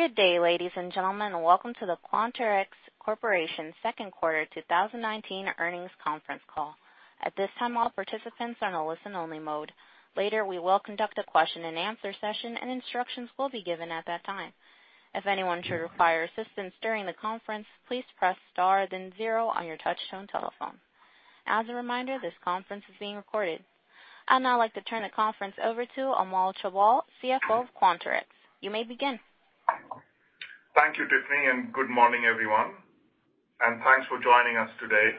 Good day, ladies and gentlemen. Welcome to the Quanterix Corporation Second Quarter 2019 Earnings Conference Call. At this time, all participants are in a listen-only mode. Later, we will conduct a question and answer session, and instructions will be given at that time. If anyone should require assistance during the conference, please press star then zero on your touchtone telephone. As a reminder, this conference is being recorded. I'd now like to turn the conference over to Amol Chaubal, CFO of Quanterix. You may begin. Thank you, Tiffany. Good morning, everyone. Thanks for joining us today.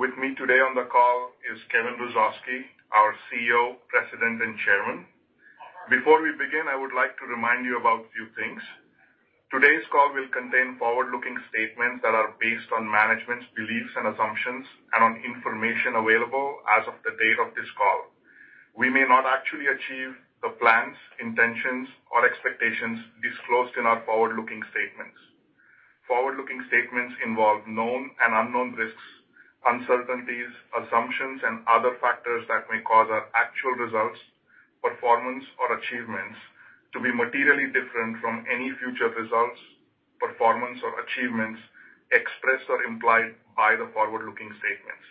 With me today on the call is Kevin Hrusovsky, our CEO, President, and Chairman. Before we begin, I would like to remind you about a few things. Today's call will contain forward-looking statements that are based on management's beliefs and assumptions and on information available as of the date of this call. We may not actually achieve the plans, intentions, or expectations disclosed in our forward-looking statements. Forward-looking statements involve known and unknown risks, uncertainties, assumptions, and other factors that may cause our actual results, performance, or achievements to be materially different from any future results, performance, or achievements expressed or implied by the forward-looking statements.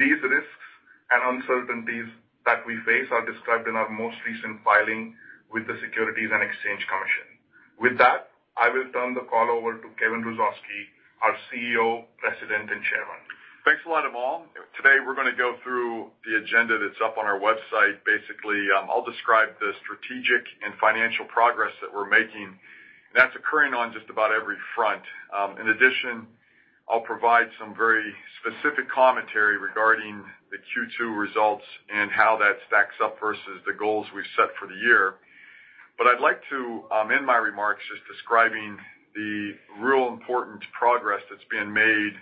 These risks and uncertainties that we face are described in our most recent filing with the Securities and Exchange Commission. With that, I will turn the call over to Kevin Hrusovsky, our CEO, President, and Chairman. Thanks a lot, Amol. Today, we're going to go through the agenda that's up on our website. I'll describe the strategic and financial progress that we're making that's occurring on just about every front. I'll provide some very specific commentary regarding the Q2 results and how that stacks up versus the goals we've set for the year. I'd like to end my remarks just describing the real important progress that's been made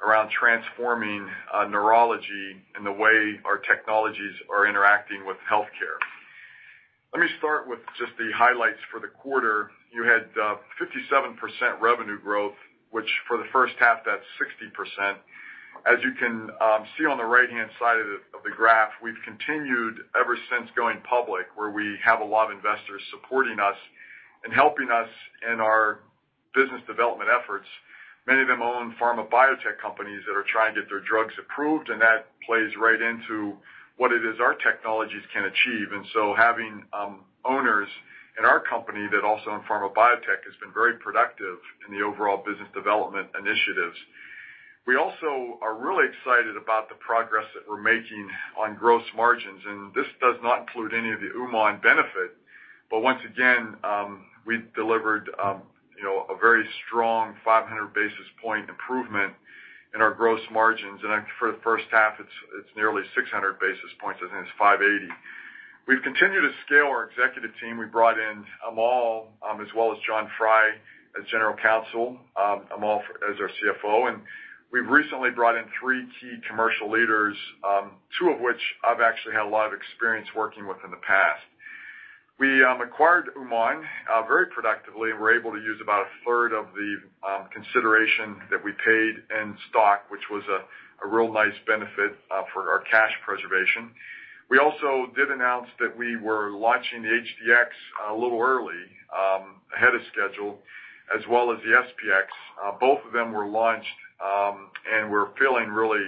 around transforming neurology and the way our technologies are interacting with healthcare. Let me start with just the highlights for the quarter. You had 57% revenue growth, which for the first half, that's 60%. As you can see on the right-hand side of the graph, we've continued ever since going public, where we have a lot of investors supporting us and helping us in our business development efforts. Many of them own pharma biotech companies that are trying to get their drugs approved, that plays right into what it is our technologies can achieve. Having owners in our company that also own pharma biotech has been very productive in the overall business development initiatives. We also are really excited about the progress that we're making on gross margins, this does not include any of the Uman benefit. Once again, we've delivered a very strong 500 basis point improvement in our gross margins. For the first half, it's nearly 600 basis points. I think it's 580. We've continued to scale our executive team. We brought in Amol as well as John Fry as General Counsel, Amol as our CFO, and we've recently brought in three key commercial leaders, two of which I've actually had a lot of experience working with in the past. We acquired Uman very productively. We're able to use about a third of the consideration that we paid in stock, which was a real nice benefit for our cash preservation. We also did announce that we were launching the HD-X a little early, ahead of schedule, as well as the SP-X. Both of them were launched and we're feeling really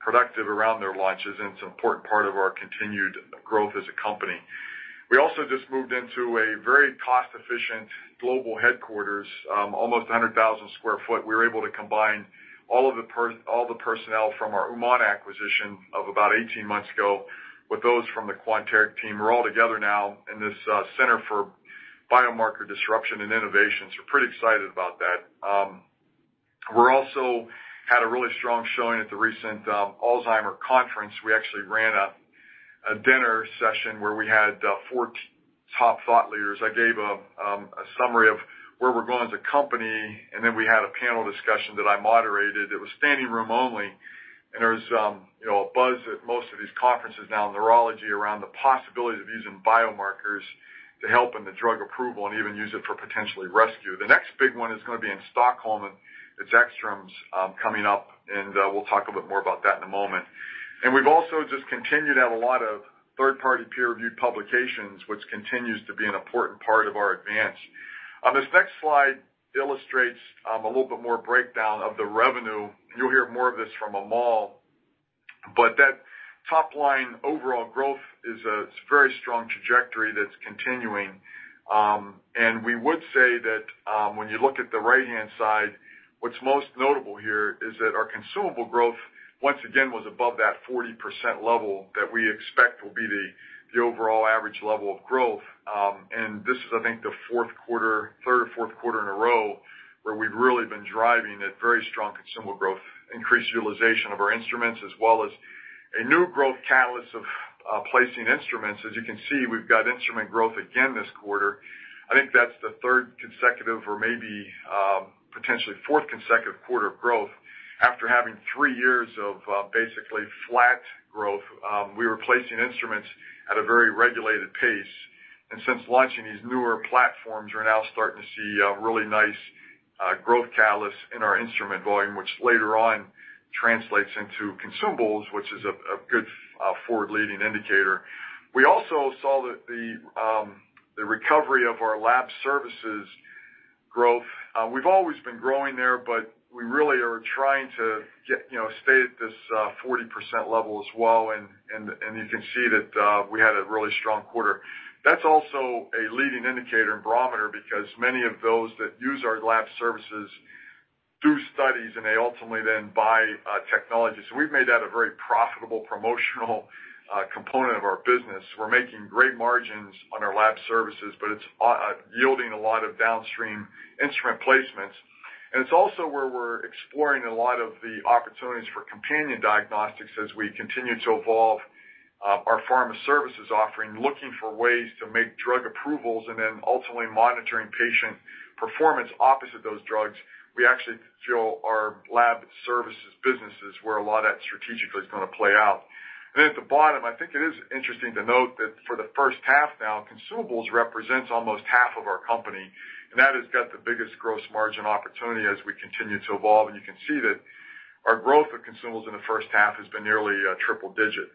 productive around their launches, and it's an important part of our continued growth as a company. We also just moved into a very cost-efficient global headquarters, almost 100,000 sq ft. We were able to combine all the personnel from our Uman acquisition of about 18 months ago with those from the Quanterix team. We're all together now in this center for biomarker disruption and innovation, so we're pretty excited about that. We also had a really strong showing at the recent Alzheimer conference. We actually ran a dinner session where we had four top thought leaders. I gave a summary of where we're going as a company, and then we had a panel discussion that I moderated. It was standing room only, and there's a buzz at most of these conferences now in neurology around the possibility of using biomarkers to help in the drug approval and even use it for potentially rescue. The next big one is going to be in Stockholm, and it's ECTRIMS coming up, and we'll talk a bit more about that in a moment. We've also just continued to have a lot of third-party peer-reviewed publications, which continues to be an important part of our advance. This next slide illustrates a little bit more breakdown of the revenue. You'll hear more of this from Amol. That top-line overall growth is a very strong trajectory that's continuing. We would say that when you look at the right-hand side, what's most notable here is that our consumable growth once again was above that 40% level that we expect will be the overall average level of growth. This is, I think, the third or fourth quarter in a row where we've really been driving at very strong consumable growth, increased utilization of our instruments, as well as a new growth catalyst of placing instruments. As you can see, we've got instrument growth again this quarter. I think that's the third consecutive or maybe potentially fourth consecutive quarter of growth after having three years of basically flat growth. We were placing instruments at a very regulated pace. Since launching these newer platforms, we're now starting to see a really nice uptick in our instrument volume, which later on translates into consumables, which is a good forward-leading indicator. We also saw that the recovery of our lab services growth. We've always been growing there, but we really are trying to stay at this 40% level as well, and you can see that we had a really strong quarter. That's also a leading indicator and barometer because many of those that use our lab services do studies and they ultimately then buy technology. We've made that a very profitable promotional component of our business. We're making great margins on our lab services, but it's yielding a lot of downstream instrument placements. It's also where we're exploring a lot of the opportunities for companion diagnostics as we continue to evolve our pharma services offering, looking for ways to make drug approvals and then ultimately monitoring patient performance opposite those drugs. We actually feel our lab services business is where a lot of that strategically is going to play out. At the bottom, I think it is interesting to note that for the first half now, consumables represents almost half of our company, that has got the biggest gross margin opportunity as we continue to evolve. You can see that our growth of consumables in the first half has been nearly triple digit.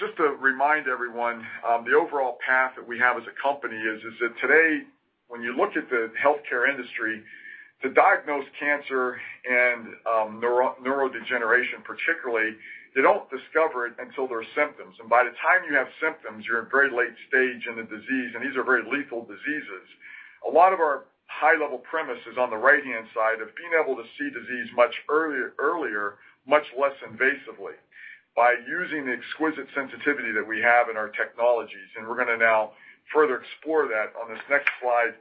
Just to remind everyone, the overall path that we have as a company is that today, when you look at the healthcare industry, to diagnose cancer and neurodegeneration particularly, they don't discover it until there are symptoms. By the time you have symptoms, you're in very late stage in the disease, these are very lethal diseases. A lot of our high-level premise is on the right-hand side of being able to see disease much earlier, much less invasively by using the exquisite sensitivity that we have in our technologies. We're going to now further explore that on this next slide.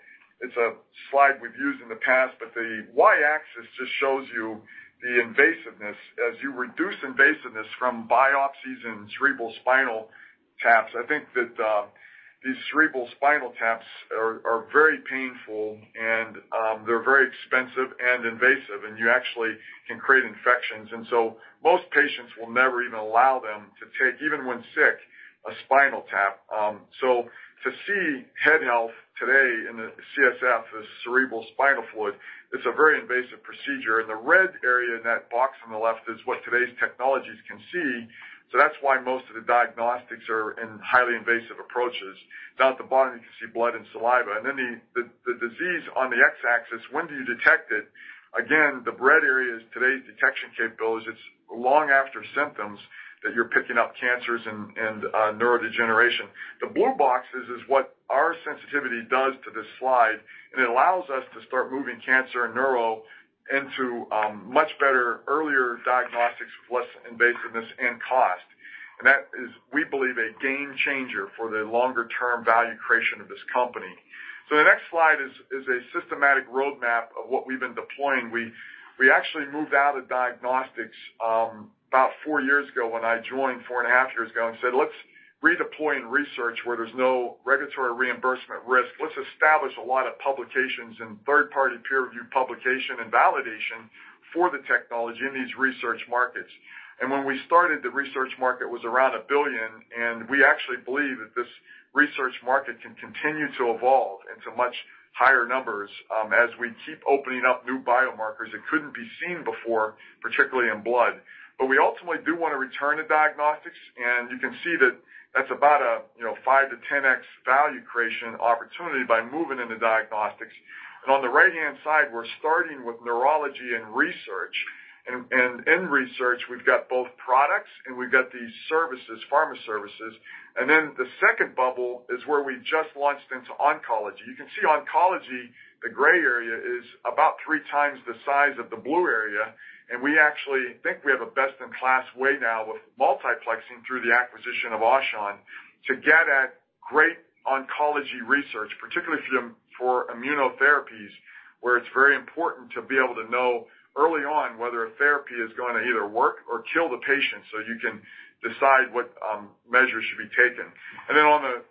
It's a slide we've used in the past, but the Y-axis just shows you the invasiveness. As you reduce invasiveness from biopsies and cerebrospinal taps, I think that these cerebrospinal taps are very painful and they're very expensive and invasive, and you actually can create infections. Most patients will never even allow them to take, even when sick, a spinal tap. To see head health today in the CSF, the cerebrospinal fluid, it's a very invasive procedure. The red area in that box on the left is what today's technologies can see. That's why most of the diagnostics are in highly invasive approaches. Down at the bottom, you can see blood and saliva. Then the disease on the X-axis, when do you detect it? Again, the red area is today's detection capabilities. It's long after symptoms that you're picking up cancers and neurodegeneration. The blue box is what our sensitivity does to this slide, and it allows us to start moving cancer and neuro into much better, earlier diagnostics with less invasiveness and cost. That is, we believe, a game changer for the longer-term value creation of this company. The next slide is a systematic roadmap of what we've been deploying. We actually moved out of diagnostics about four years ago when I joined, four and a half years ago, and said, "Let's redeploy in research where there's no regulatory reimbursement risk. Let's establish a lot of publications and third-party peer review publication and validation for the technology in these research markets. When we started, the research market was around $1 billion, and we actually believe that this research market can continue to evolve into much higher numbers as we keep opening up new biomarkers that couldn't be seen before, particularly in blood. We ultimately do want to return to diagnostics, and you can see that that's about a 5x-10x value creation opportunity by moving into diagnostics. On the right-hand side, we're starting with neurology and research. In research, we've got both products and we've got these services, pharma services. The second bubble is where we just launched into oncology. You can see oncology, the gray area, is about three times the size of the blue area. We actually think we have a best-in-class way now with multiplexing through the acquisition of Aushon to get at great oncology research, particularly for immunotherapies, where it's very important to be able to know early on whether a therapy is going to either work or kill the patient, so you can decide what measures should be taken. Then on the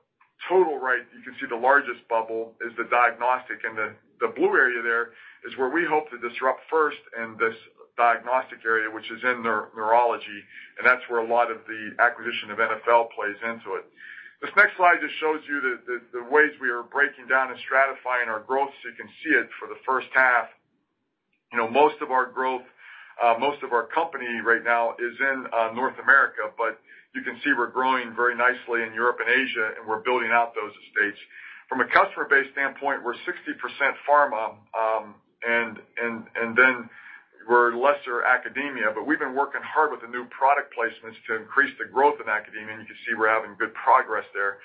total right, you can see the largest bubble is the diagnostic. The blue area there is where we hope to disrupt first in this diagnostic area, which is in neurology, and that's where a lot of the acquisition of NfL plays into it. This next slide just shows you the ways we are breaking down and stratifying our growth, so you can see it for the first half. Most of our growth, most of our company right now is in North America, but you can see we're growing very nicely in Europe and Asia, and we're building out those estates. From a customer base standpoint, we're 60% pharma, and then we're lesser academia, but we've been working hard with the new product placements to increase the growth in academia, and you can see we're having good progress there.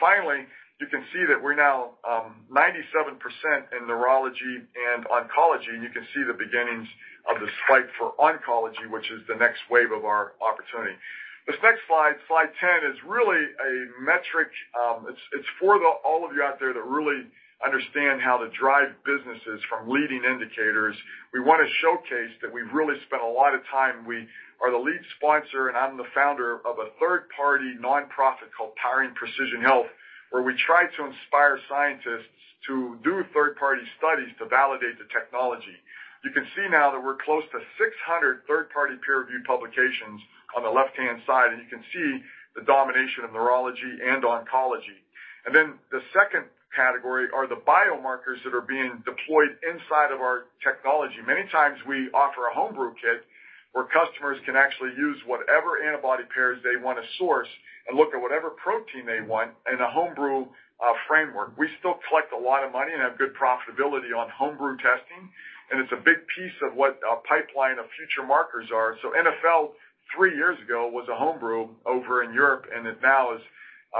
Finally, you can see that we're now 97% in neurology and oncology, and you can see the beginnings of the swipe for oncology, which is the next wave of our opportunity. This next slide 10, is really a metric. It's for all of you out there that really understand how to drive businesses from leading indicators. We want to showcase that we've really spent a lot of time. We are the lead sponsor, and I'm the founder of a third-party nonprofit called Powering Precision Health, where we try to inspire scientists to do third-party studies to validate the technology. You can see now that we're close to 600 third-party peer-reviewed publications on the left-hand side, and you can see the domination of neurology and oncology. The second category are the biomarkers that are being deployed inside of our technology. Many times we offer a home brew kit where customers can actually use whatever antibody pairs they want to source and look at whatever protein they want in a home brew framework. We still collect a lot of money and have good profitability on home brew testing, and it's a big piece of what our pipeline of future markers are. NfL, three years ago, was a home brew over in Europe, and it now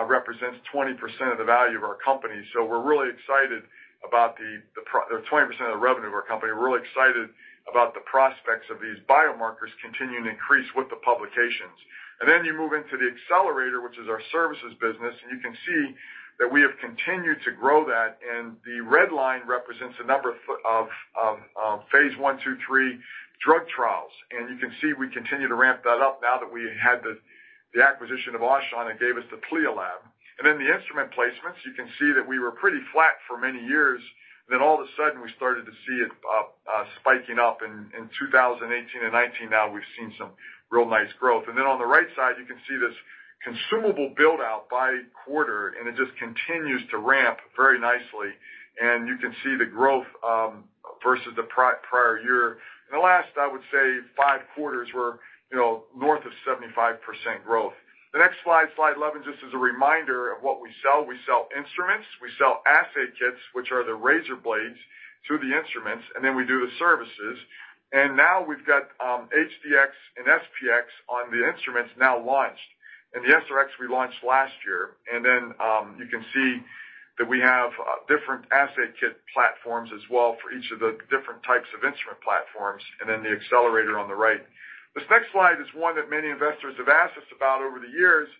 represents 20% of the value of our company. We're really excited about the 20% of the revenue of our company. We're really excited about the prospects of these biomarkers continuing to increase with the publications. You move into the accelerator, which is our services business, and you can see that we have continued to grow that and the red line represents the number of phase I, II, III drug trials. You can see we continue to ramp that up now that we had the acquisition of Aushon that gave us the CLIA Lab. The instrument placements, you can see that we were pretty flat for many years, and then all of a sudden, we started to see it spiking up in 2018 and 2019. We've seen some real nice growth. On the right side, you can see this consumable build-out by quarter, and it just continues to ramp very nicely, and you can see the growth versus the prior year. In the last, I would say five quarters were north of 75% growth. The next slide 11, just as a reminder of what we sell. We sell instruments, we sell assay kits, which are the razor blades to the instruments, and then we do the services. Now we've got HD-X and SP-X on the instruments now launched. The SR-X we launched last year. You can see that we have different assay kit platforms as well for each of the different types of instrument platforms and then the Accelerator on the right. This next slide is one that many investors have asked us about over the years,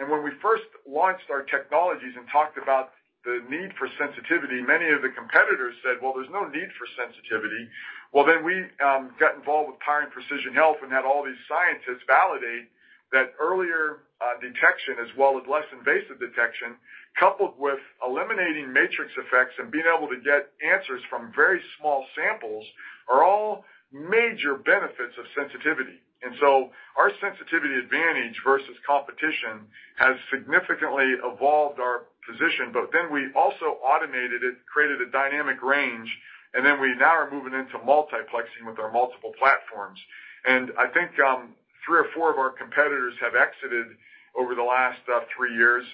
and when we first launched our technologies and talked about the need for sensitivity, many of the competitors said, "Well, there's no need for sensitivity." Well, we got involved with Powering Precision Health and had all these scientists validate that earlier detection as well as less invasive detection coupled with eliminating matrix effects and being able to get answers from very small samples are all major benefits of sensitivity. Our sensitivity advantage versus competition has significantly evolved our position, but then we also automated it, created a dynamic range, and then we now are moving into multiplexing with our multiple platforms. I think three or four of our competitors have exited over the last three years,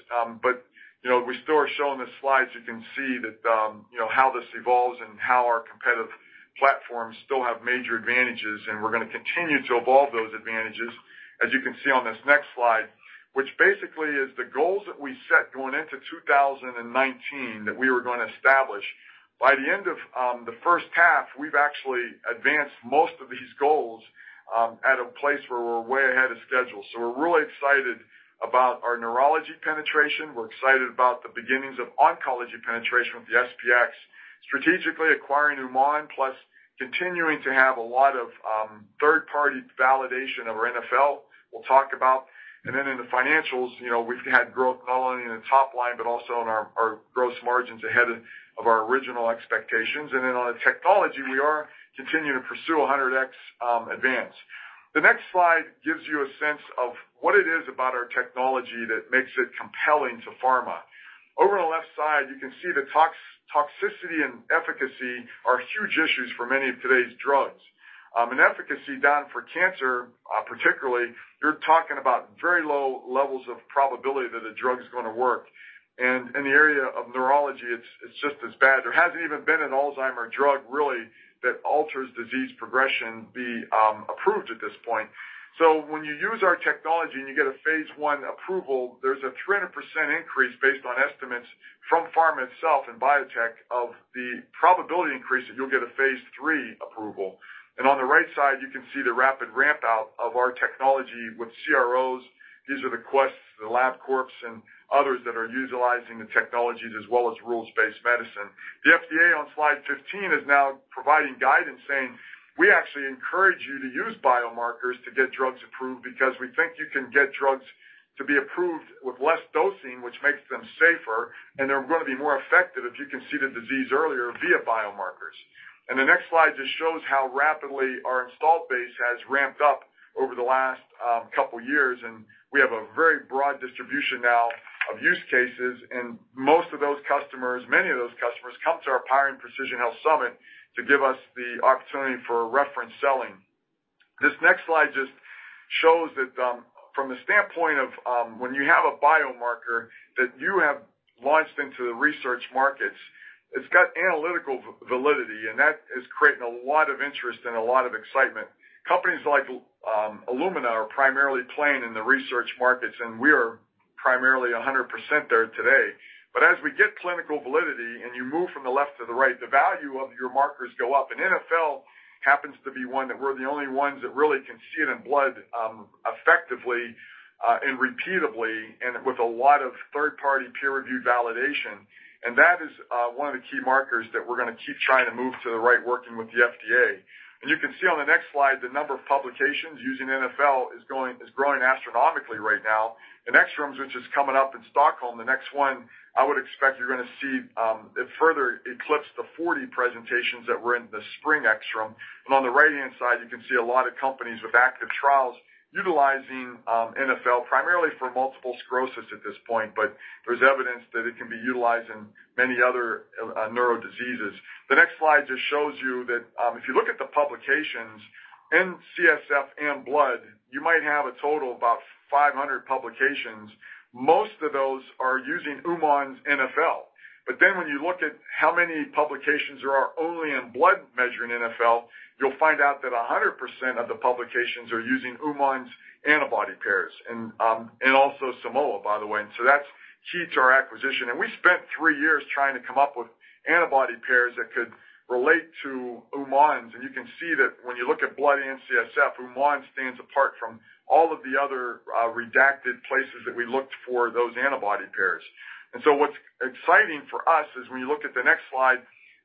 but we still are showing the slides. You can see how this evolves and how our competitive platforms still have major advantages, we're going to continue to evolve those advantages as you can see on this next slide, which basically is the goals that we set going into 2019 that we were going to establish. By the end of the first half, we've actually advanced most of these goals at a place where we're way ahead of schedule. We're really excited about our neurology penetration. We're excited about the beginnings of oncology penetration with the SP-X. Strategically acquiring Uman plus continuing to have a lot of third-party validation of our NfL we'll talk about. In the financials, we've had growth not only in the top line, but also in our gross margins ahead of our original expectations. On the technology, we are continuing to pursue 100X advance. The next slide gives you a sense of what it is about our technology that makes it compelling to pharma. Over on the left side, you can see the toxicity and efficacy are huge issues for many of today's drugs. In efficacy, Don, for cancer particularly, you're talking about very low levels of probability that a drug is going to work. In the area of neurology, it's just as bad. There hasn't even been an Alzheimer's drug, really, that alters disease progression be approved at this point. When you use our technology and you get a phase I approval, there's a 300% increase based on estimates from pharma itself and biotech of the probability increase that you'll get a phase III approval. On the right side, you can see the rapid ramp out of our technology with CROs. These are the Quest, the LabCorp and others that are utilizing the technologies as well as Rules-Based Medicine. The FDA on slide 15 is now providing guidance saying, We actually encourage you to use biomarkers to get drugs approved because we think you can get drugs to be approved with less dosing, which makes them safer, and they're going to be more effective if you can see the disease earlier via biomarkers. The next slide just shows how rapidly our installed base has ramped up over the last couple of years, and we have a very broad distribution now of use cases, and most of those customers, many of those customers, come to our Powering Precision Health Summit to give us the opportunity for reference selling. This next slide just shows that from the standpoint of when you have a biomarker that you have launched into the research markets, it's got analytical validity, and that is creating a lot of interest and a lot of excitement. Companies like Illumina are primarily playing in the research markets. We are primarily 100% there today. As we get clinical validity and you move from the left to the right, the value of your markers go up. NfL happens to be one that we're the only ones that really can see it in blood, effectively and repeatably, and with a lot of third-party peer review validation. That is one of the key markers that we're going to keep trying to move to the right, working with the FDA. You can see on the next slide, the number of publications using NfL is growing astronomically right now. In ECTRIMS, which is coming up in Stockholm, the next one, I would expect you're going to see it further eclipse the 40 presentations that were in the spring ECTRIMS. On the right-hand side, you can see a lot of companies with active trials utilizing NfL, primarily for multiple sclerosis at this point, but there's evidence that it can be utilized in many other neuro diseases. The next slide just shows you that if you look at the publications in CSF and blood, you might have a total of about 500 publications. Most of those are using Uman's NfL. When you look at how many publications there are only in blood measuring NfL, you'll find out that 100% of the publications are using Uman's antibody pairs and also Simoa, by the way. That's key to our acquisition. We spent 3 years trying to come up with antibody pairs that could relate to Uman's. You can see that when you look at blood and CSF, Uman stands apart from all of the other redacted places that we looked for those antibody pairs. What's exciting for us is when you look at the next slide,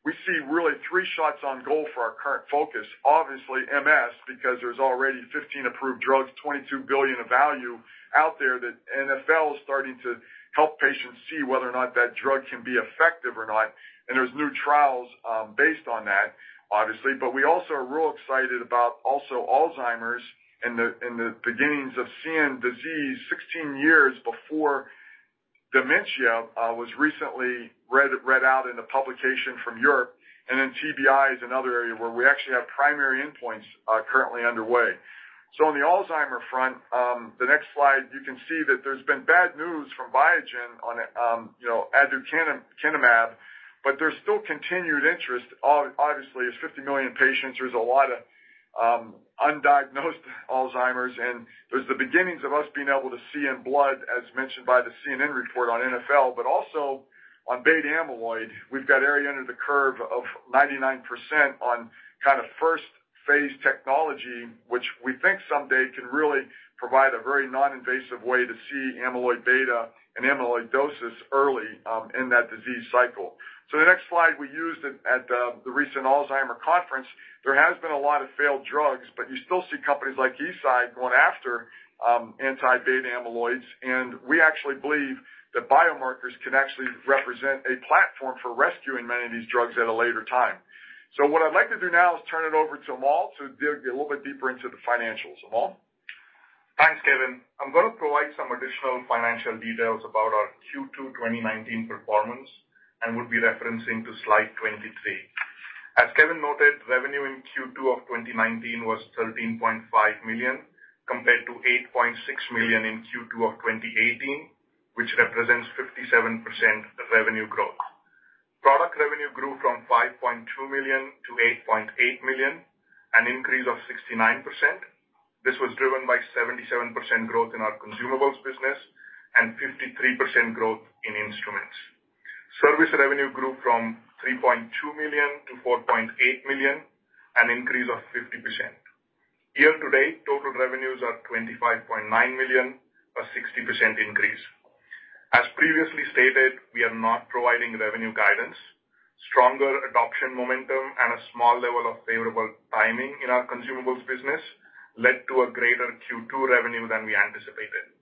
we see really 3 shots on goal for our current focus. Obviously, MS, because there's already 15 approved drugs, $22 billion of value out there that NfL is starting to help patients see whether or not that drug can be effective or not. There's new trials based on that, obviously. We also are real excited about also Alzheimer's and the beginnings of seeing disease 16 years before dementia was recently read out in a publication from Europe. TBI is another area where we actually have primary endpoints currently underway. On the Alzheimer's front, the next slide, you can see that there's been bad news from Biogen on Aducanumab, but there's still continued interest. Obviously, it's 50 million patients. There's a lot of undiagnosed Alzheimer's, and there's the beginnings of us being able to see in blood, as mentioned by the CNN report on NfL, but also on beta-amyloid. We've got area under the curve of 99% on phase I technology, which we think someday can really provide a very non-invasive way to see beta-amyloid and amyloidosis early in that disease cycle. The next slide we used at the recent Alzheimer conference, there has been a lot of failed drugs, but you still see companies like Eisai going after anti-beta-amyloids, and we actually believe that biomarkers can actually represent a platform for rescuing many of these drugs at a later time. What I'd like to do now is turn it over to Amol to dig a little bit deeper into the financials. Amol? Thanks, Kevin. I'm going to provide some additional financial details about our Q2 2019 performance and will be referencing to slide 23. As Kevin noted, revenue in Q2 of 2019 was $13.5 million, compared to $8.6 million in Q2 of 2018, which represents 57% revenue growth. Product revenue grew from $5.2 million to $8.8 million, an increase of 69%. This was driven by 77% growth in our consumables business and 53% growth in instruments. Service revenue grew from $3.2 million to $4.8 million, an increase of 50%. Year to date, total revenues are $25.9 million, a 60% increase. As previously stated, we are not providing revenue guidance. Stronger adoption momentum and a small level of favorable timing in our consumables business led to a greater Q2 revenue than we anticipated.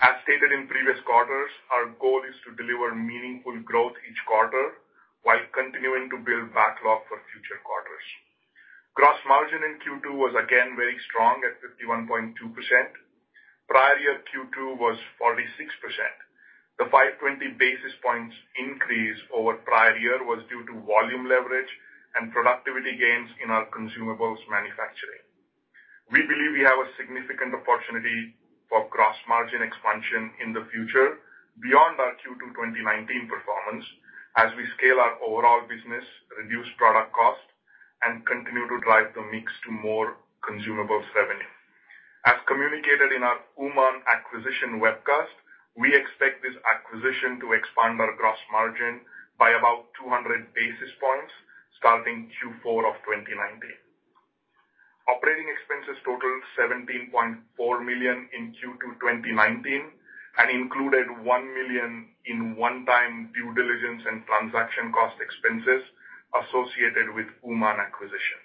As stated in previous quarters, our goal is to deliver meaningful growth each quarter while continuing to build backlog for future quarters. Gross margin in Q2 was again very strong at 51.2%. Prior year Q2 was 46%. The 520 basis points increase over prior year was due to volume leverage and productivity gains in our consumables manufacturing. We believe we have a significant opportunity for gross margin expansion in the future beyond our Q2 2019 performance as we scale our overall business, reduce product costs, and continue to drive the mix to more consumables revenue. As communicated in our UmanDiagnostics acquisition webcast, we expect this acquisition to expand our gross margin by about 200 basis points starting Q4 of 2019. Operating expenses totaled $17.4 million in Q2 2019 and included $1 million in one-time due diligence and transaction cost expenses associated with UmanDiagnostics acquisition.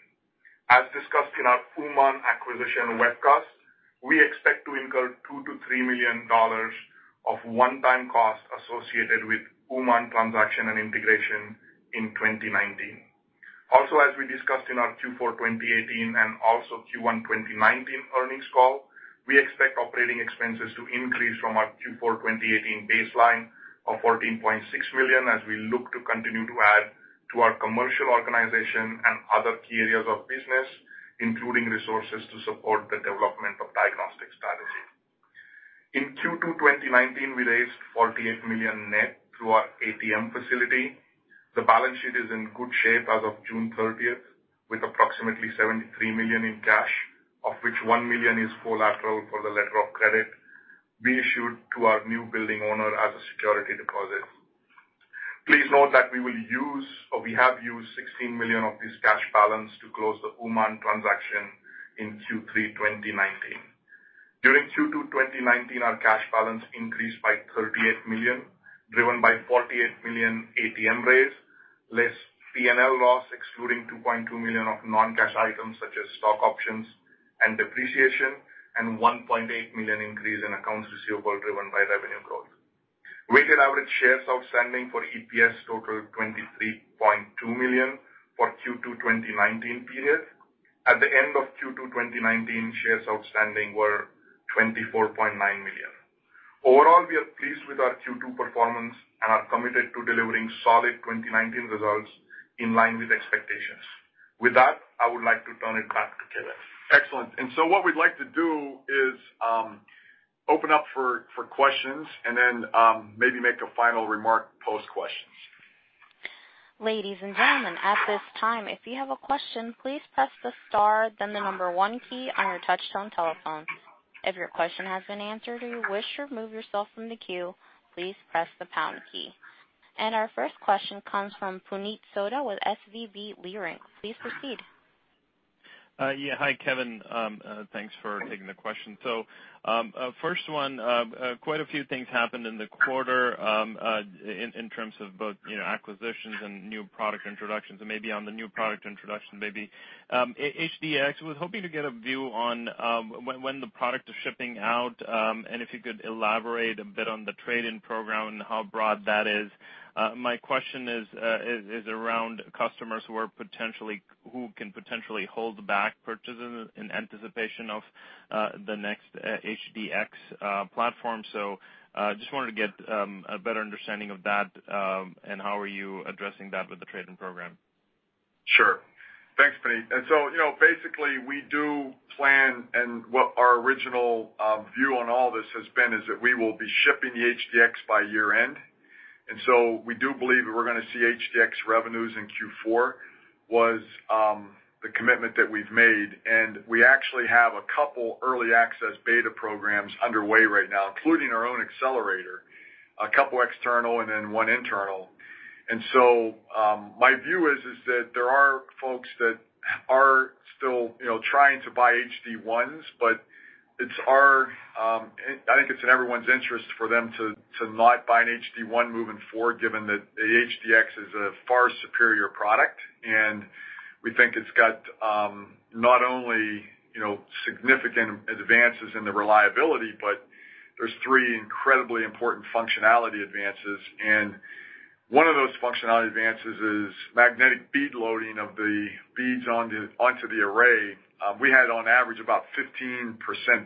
As discussed in our UmanDiagnostics acquisition webcast, we expect to incur $2 to $3 million of one-time costs associated with UmanDiagnostics transaction and integration in 2019. As we discussed in our Q4 2018 and also Q1 2019 earnings call, we expect operating expenses to increase from our Q4 2018 baseline of $14.6 million as we look to continue to add to our commercial organization and other key areas of business, including resources to support the development of diagnostics strategy. In Q2 2019, we raised $48 million net through our ATM facility. The balance sheet is in good shape as of June 30th, with approximately $73 million in cash, of which $1 million is collateral for the letter of credit we issued to our new building owner as a security deposit. Please note that we will use or we have used $16 million of this cash balance to close the Uman transaction in Q3 2019. During Q2 2019, our cash balance increased by $38 million, driven by $48 million ATM raise, less P&L loss, excluding $2.2 million of non-cash items such as stock options and depreciation, and $1.8 million increase in accounts receivable driven by revenue growth. Weighted average shares outstanding for EPS totaled 23.2 million for Q2 2019 period. At the end of Q2 2019, shares outstanding were 24.9 million. Overall, we are pleased with our Q2 performance and are committed to delivering solid 2019 results in line with expectations. With that, I would like to turn it back to Kevin. Excellent. What we'd like to do is open up for questions and then maybe make a final remark post questions. Ladies and gentlemen, at this time, if you have a question, please press the star, then the number one key on your touch-tone telephone. If your question has been answered or you wish to remove yourself from the queue, please press the pound key. Our first question comes from Puneet Souda with SVB Leerink. Please proceed. Yeah. Hi, Kevin. Thanks for taking the question. First one, quite a few things happened in the quarter in terms of both acquisitions and new product introductions. HD-X, I was hoping to get a view on when the product is shipping out, and if you could elaborate a bit on the trade-in program and how broad that is. My question is around customers who can potentially hold back purchases in anticipation of the next HD-X platform. I just wanted to get a better understanding of that, and how are you addressing that with the trade-in program? Sure. Thanks, Puneet. Basically, we do plan, and what our original view on all this has been is that we will be shipping the HD-X by year-end. We do believe that we're going to see HD-X revenues in Q4, was the commitment that we've made. We actually have a couple early access beta programs underway right now, including our own Accelerator, a couple external and then one internal. My view is that there are folks that are still trying to buy HD-1s, but I think it's in everyone's interest for them to not buy an HD-1 moving forward, given that the HD-X is a far superior product. We think it's got not only significant advances in the reliability, but there's three incredibly important functionality advances, and one of those functionality advances is magnetic bead loading of the beads onto the array. We had on average about 15%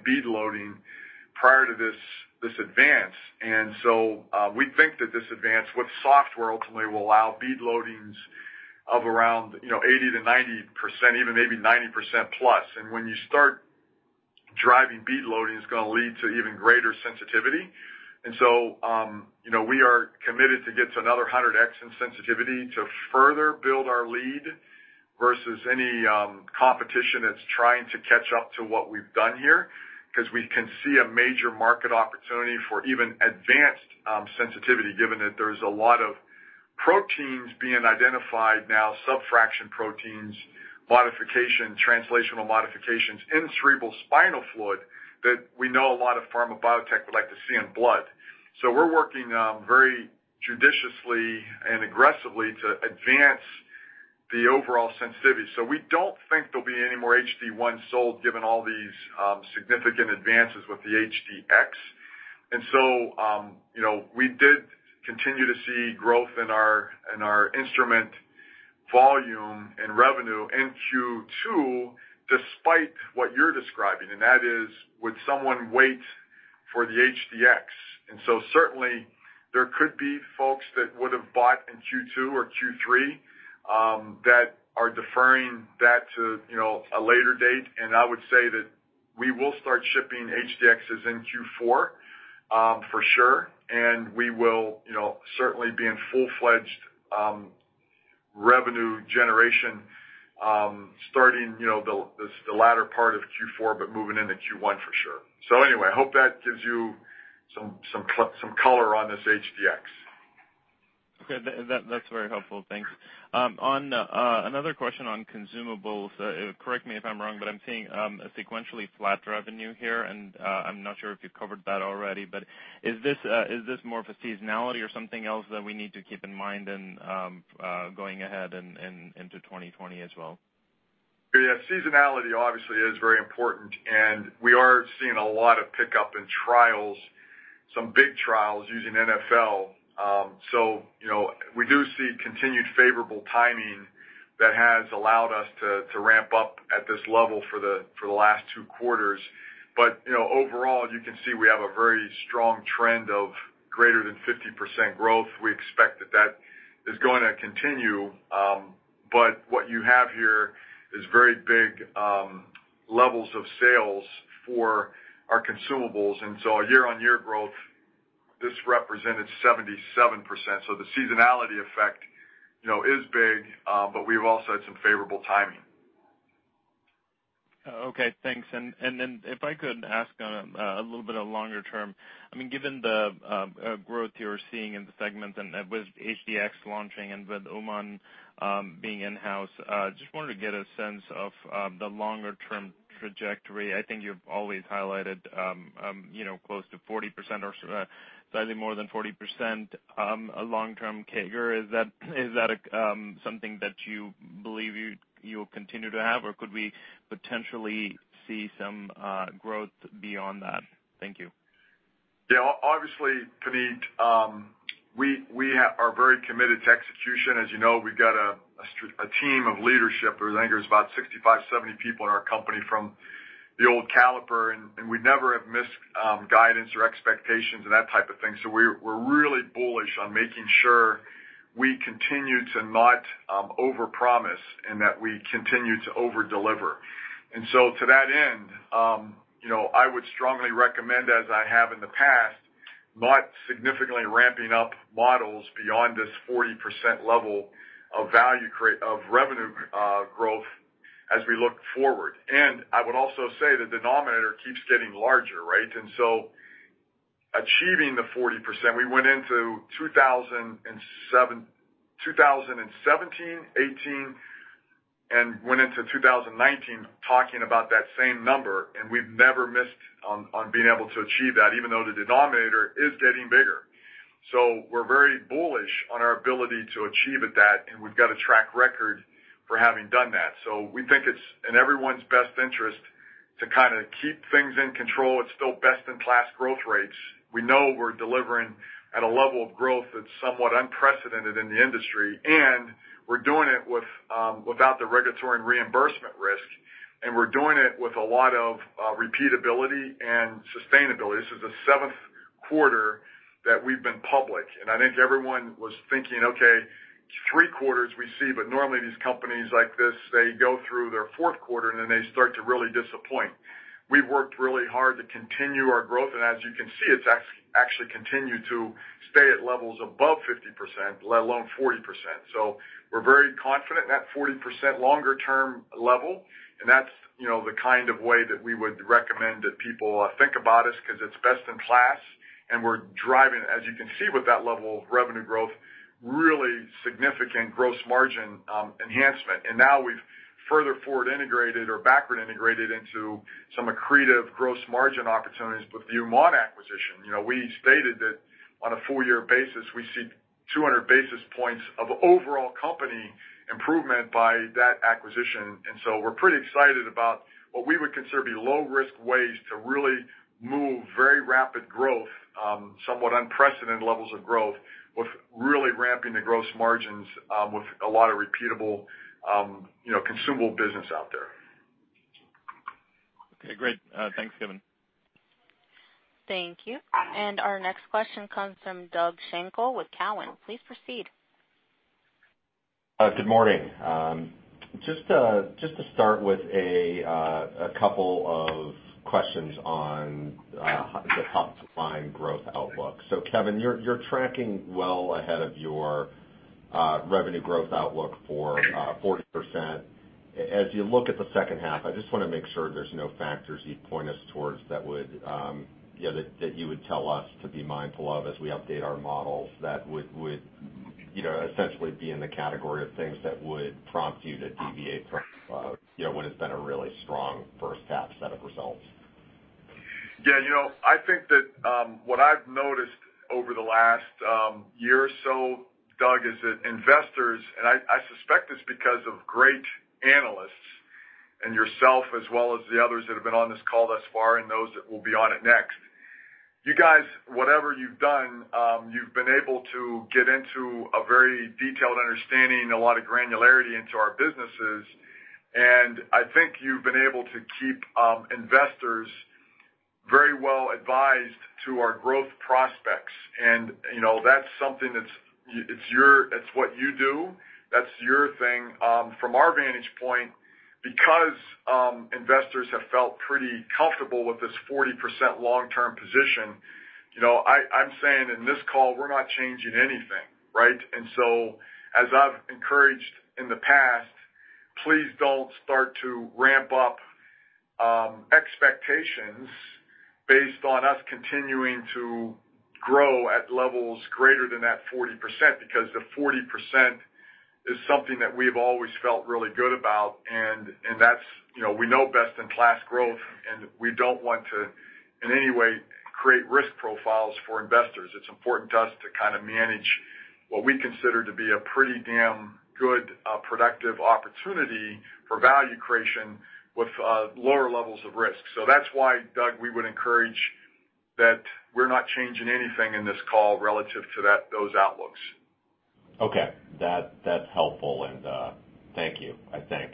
bead loading prior to this advance. We think that this advance with software ultimately will allow bead loadings of around 80%-90%, even maybe 90% plus. When you start driving bead loading, it's going to lead to even greater sensitivity. We are committed to get to another 100x in sensitivity to further build our lead versus any competition that's trying to catch up to what we've done here, because we can see a major market opportunity for even advanced sensitivity, given that there's a lot of proteins being identified now, subfraction proteins, modification, translational modifications in cerebral spinal fluid that we know a lot of pharma biotech would like to see in blood. We're working very judiciously and aggressively to advance the overall sensitivity. We don't think there'll be any more HD-1s sold given all these significant advances with the HD-X. We did continue to see growth in our instrument volume and revenue in Q2 despite what you're describing, and that is, would someone wait for the HD-X? Certainly, there could be folks that would've bought in Q2 or Q3 that are deferring that to a later date, and I would say that we will start shipping HD-Xs in Q4, for sure. We will certainly be in full-fledged revenue generation, starting the latter part of Q4, but moving into Q1 for sure. Anyway, I hope that gives you some color on this HD-X. Okay. That's very helpful. Thanks. Another question on consumables. Correct me if I'm wrong, but I'm seeing a sequentially flat revenue here, and I'm not sure if you've covered that already, but is this more of a seasonality or something else that we need to keep in mind in going ahead into 2020 as well? Yeah. Seasonality obviously is very important, and we are seeing a lot of pickup in trials, some big trials using NfL. We do see continued favorable timing that has allowed us to ramp up at this level for the last two quarters. Overall, you can see we have a very strong trend of greater than 50% growth. We expect that that is going to continue. What you have here is very big levels of sales for our consumables, and so our year-on-year growth, this represented 77%. The seasonality effect is big, but we've also had some favorable timing Okay, thanks. If I could ask a little bit of longer term, given the growth you're seeing in the segment and with HD-X launching and with Uman being in-house, I just wanted to get a sense of the longer term trajectory. I think you've always highlighted close to 40% or slightly more than 40% long-term CAGR. Is that something that you believe you'll continue to have, or could we potentially see some growth beyond that? Thank you. Obviously, Puneet, we are very committed to execution. As you know, we've got a team of leadership. I think there's about 65, 70 people in our company from the old Caliper, and we never have missed guidance or expectations and that type of thing. We're really bullish on making sure we continue to not overpromise and that we continue to overdeliver. To that end, I would strongly recommend, as I have in the past, not significantly ramping up models beyond this 40% level of revenue growth as we look forward. I would also say the denominator keeps getting larger, right? Achieving the 40%, we went into 2017, 2018 and went into 2019 talking about that same number. We've never missed on being able to achieve that, even though the denominator is getting bigger. We're very bullish on our ability to achieve at that, and we've got a track record for having done that. We think it's in everyone's best interest to kind of keep things in control. It's still best in class growth rates. We know we're delivering at a level of growth that's somewhat unprecedented in the industry, and we're doing it without the regulatory and reimbursement risk, and we're doing it with a lot of repeatability and sustainability. This is the seventh quarter that we've been public, and I think everyone was thinking, "Okay, three quarters we see, but normally these companies like this, they go through their fourth quarter, and then they start to really disappoint." We've worked really hard to continue our growth, and as you can see, it's actually continued to stay at levels above 50%, let alone 40%. We're very confident in that 40% longer term level, and that's the kind of way that we would recommend that people think about us because it's best in class, and we're driving, as you can see with that level of revenue growth, really significant gross margin enhancement. Now we've further forward integrated or backward integrated into some accretive gross margin opportunities with the Uman acquisition. We stated that on a full-year basis, we see 200 basis points of overall company improvement by that acquisition. We're pretty excited about what we would consider to be low-risk ways to really move very rapid growth, somewhat unprecedented levels of growth, with really ramping the gross margins with a lot of repeatable consumable business out there. Okay, great. Thanks, Kevin. Thank you. Our next question comes from Doug Schenkel with Cowen. Please proceed. Good morning. Just to start with a couple of questions on the top-line growth outlook. Kevin, you're tracking well ahead of your revenue growth outlook for 40%. As you look at the second half, I just want to make sure there's no factors you'd point us towards that you would tell us to be mindful of as we update our models that would essentially be in the category of things that would prompt you to deviate from what has been a really strong first half set of results. Yeah. I think that what I've noticed over the last year or so, Doug, is that investors, and I suspect it's because of great analysts and yourself as well as the others that have been on this call thus far and those that will be on it next, you guys, whatever you've done, you've been able to get into a very detailed understanding and a lot of granularity into our businesses, and I think you've been able to keep investors very well advised to our growth prospects. That's something that's what you do. That's your thing. From our vantage point, because investors have felt pretty comfortable with this 40% long-term position, I'm saying in this call, we're not changing anything, right? As I've encouraged in the past, please don't start to ramp up expectations based on us continuing to grow at levels greater than that 40%, because the 40% is something that we've always felt really good about, and we know best in class growth, and we don't want to, in any way, create risk profiles for investors. It's important to us to kind of manage what we consider to be a pretty damn good productive opportunity for value creation with lower levels of risk. That's why, Doug, we would encourage that we're not changing anything in this call relative to those outlooks. Okay. That's helpful, thank you, I think.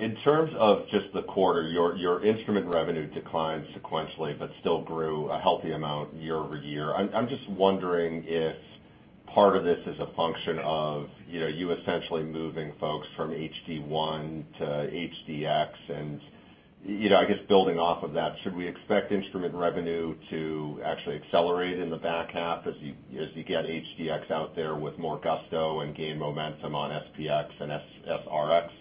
In terms of just the quarter, your instrument revenue declined sequentially, but still grew a healthy amount year-over-year. I'm just wondering if part of this is a function of you essentially moving folks from HD-1 to HD-X. I guess building off of that, should we expect instrument revenue to actually accelerate in the back half as you get HD-X out there with more gusto and gain momentum on SP-X and SR-X?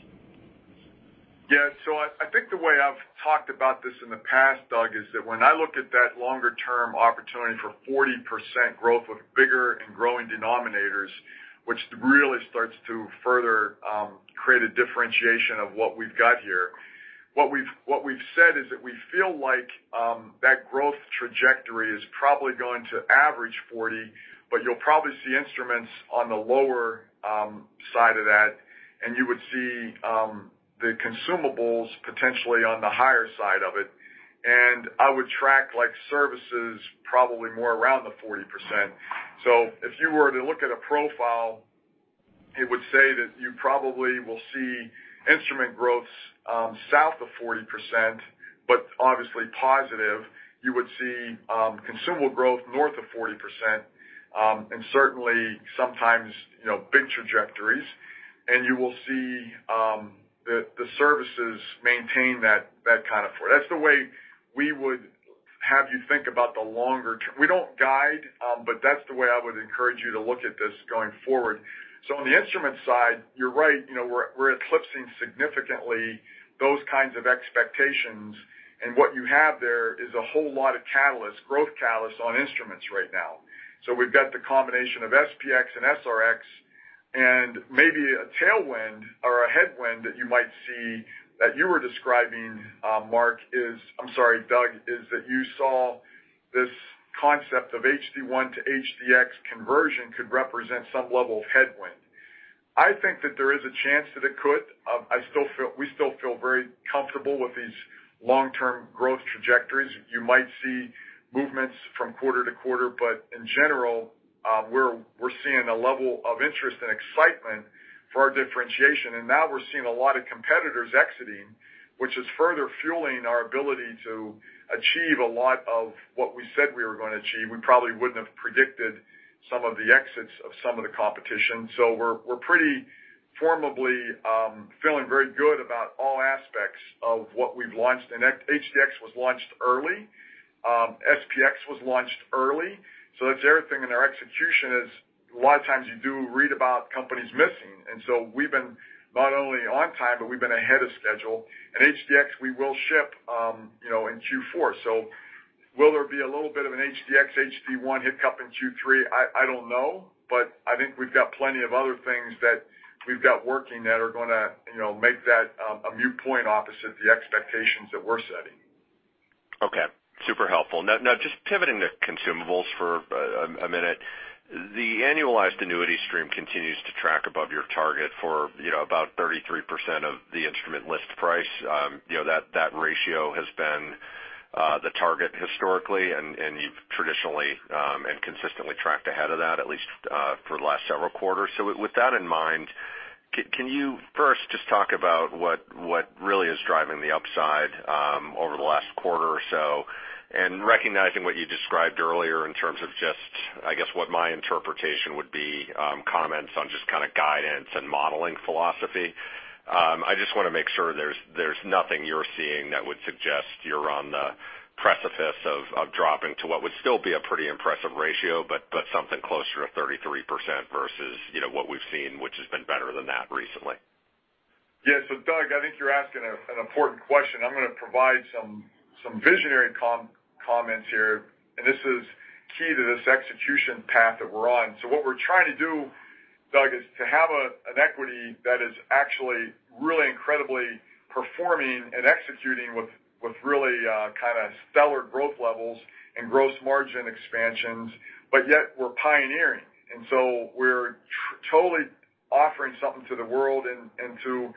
I think the way I've talked about this in the past, Doug, is that when I look at that longer-term opportunity for 40% growth of bigger and growing denominators, which really starts to further create a differentiation of what we've got here, what we've said is that we feel like that growth trajectory is probably going to average 40%, but you'll probably see instruments on the lower side of that, and you would see the consumables potentially on the higher side of it. I would track services probably more around the 40%. If you were to look at a profile, it would say that you probably will see instrument growths south of 40%, but obviously positive, you would see consumable growth north of 40%, and certainly sometimes big trajectories, and you will see the services maintain that kind of That's the way we would have you think about the longer term. We don't guide, but that's the way I would encourage you to look at this going forward. On the instrument side, you're right, we're eclipsing significantly those kinds of expectations. What you have there is a whole lot of catalyst, growth catalyst on instruments right now. We've got the combination of SP-X and SR-X and maybe a tailwind or a headwind that you might see that you were describing, Doug, is that you saw this concept of HD-1 to HD-X conversion could represent some level of headwind. I think that there is a chance that it could. We still feel very comfortable with these long-term growth trajectories. You might see movements from quarter to quarter, but in general, we're seeing a level of interest and excitement for our differentiation. Now we're seeing a lot of competitors exiting, which is further fueling our ability to achieve a lot of what we said we were going to achieve. We probably wouldn't have predicted some of the exits of some of the competition. We're pretty firmly feeling very good about all aspects of what we've launched, and HDx was launched early. SPx was launched early. That's everything in our execution is a lot of times you do read about companies missing. We've been not only on time, but we've been ahead of schedule. HDx we will ship in Q4. Will there be a little bit of an HD-X/HD-1 hiccup in Q3? I don't know. I think we've got plenty of other things that we've got working that are going to make that a moot point opposite the expectations that we're setting. Okay. Super helpful. Just pivoting to consumables for a minute. The annualized annuity stream continues to track above your target for about 33% of the instrument list price. That ratio has been the target historically, you've traditionally and consistently tracked ahead of that at least for the last several quarters. With that in mind, can you first just talk about what really is driving the upside over the last quarter or so? Recognizing what you described earlier in terms of just, I guess, what my interpretation would be, comments on just kind of guidance and modeling philosophy. I just want to make sure there's nothing you're seeing that would suggest you're on the precipice of dropping to what would still be a pretty impressive ratio, but something closer to 33% versus what we've seen, which has been better than that recently. Yeah. Doug, I think you're asking an important question. I'm going to provide some visionary comments here, and this is key to this execution path that we're on. What we're trying to do, Doug, is to have an equity that is actually really incredibly performing and executing with really kind of stellar growth levels and gross margin expansions, but yet we're pioneering, and so we're totally offering something to the world and to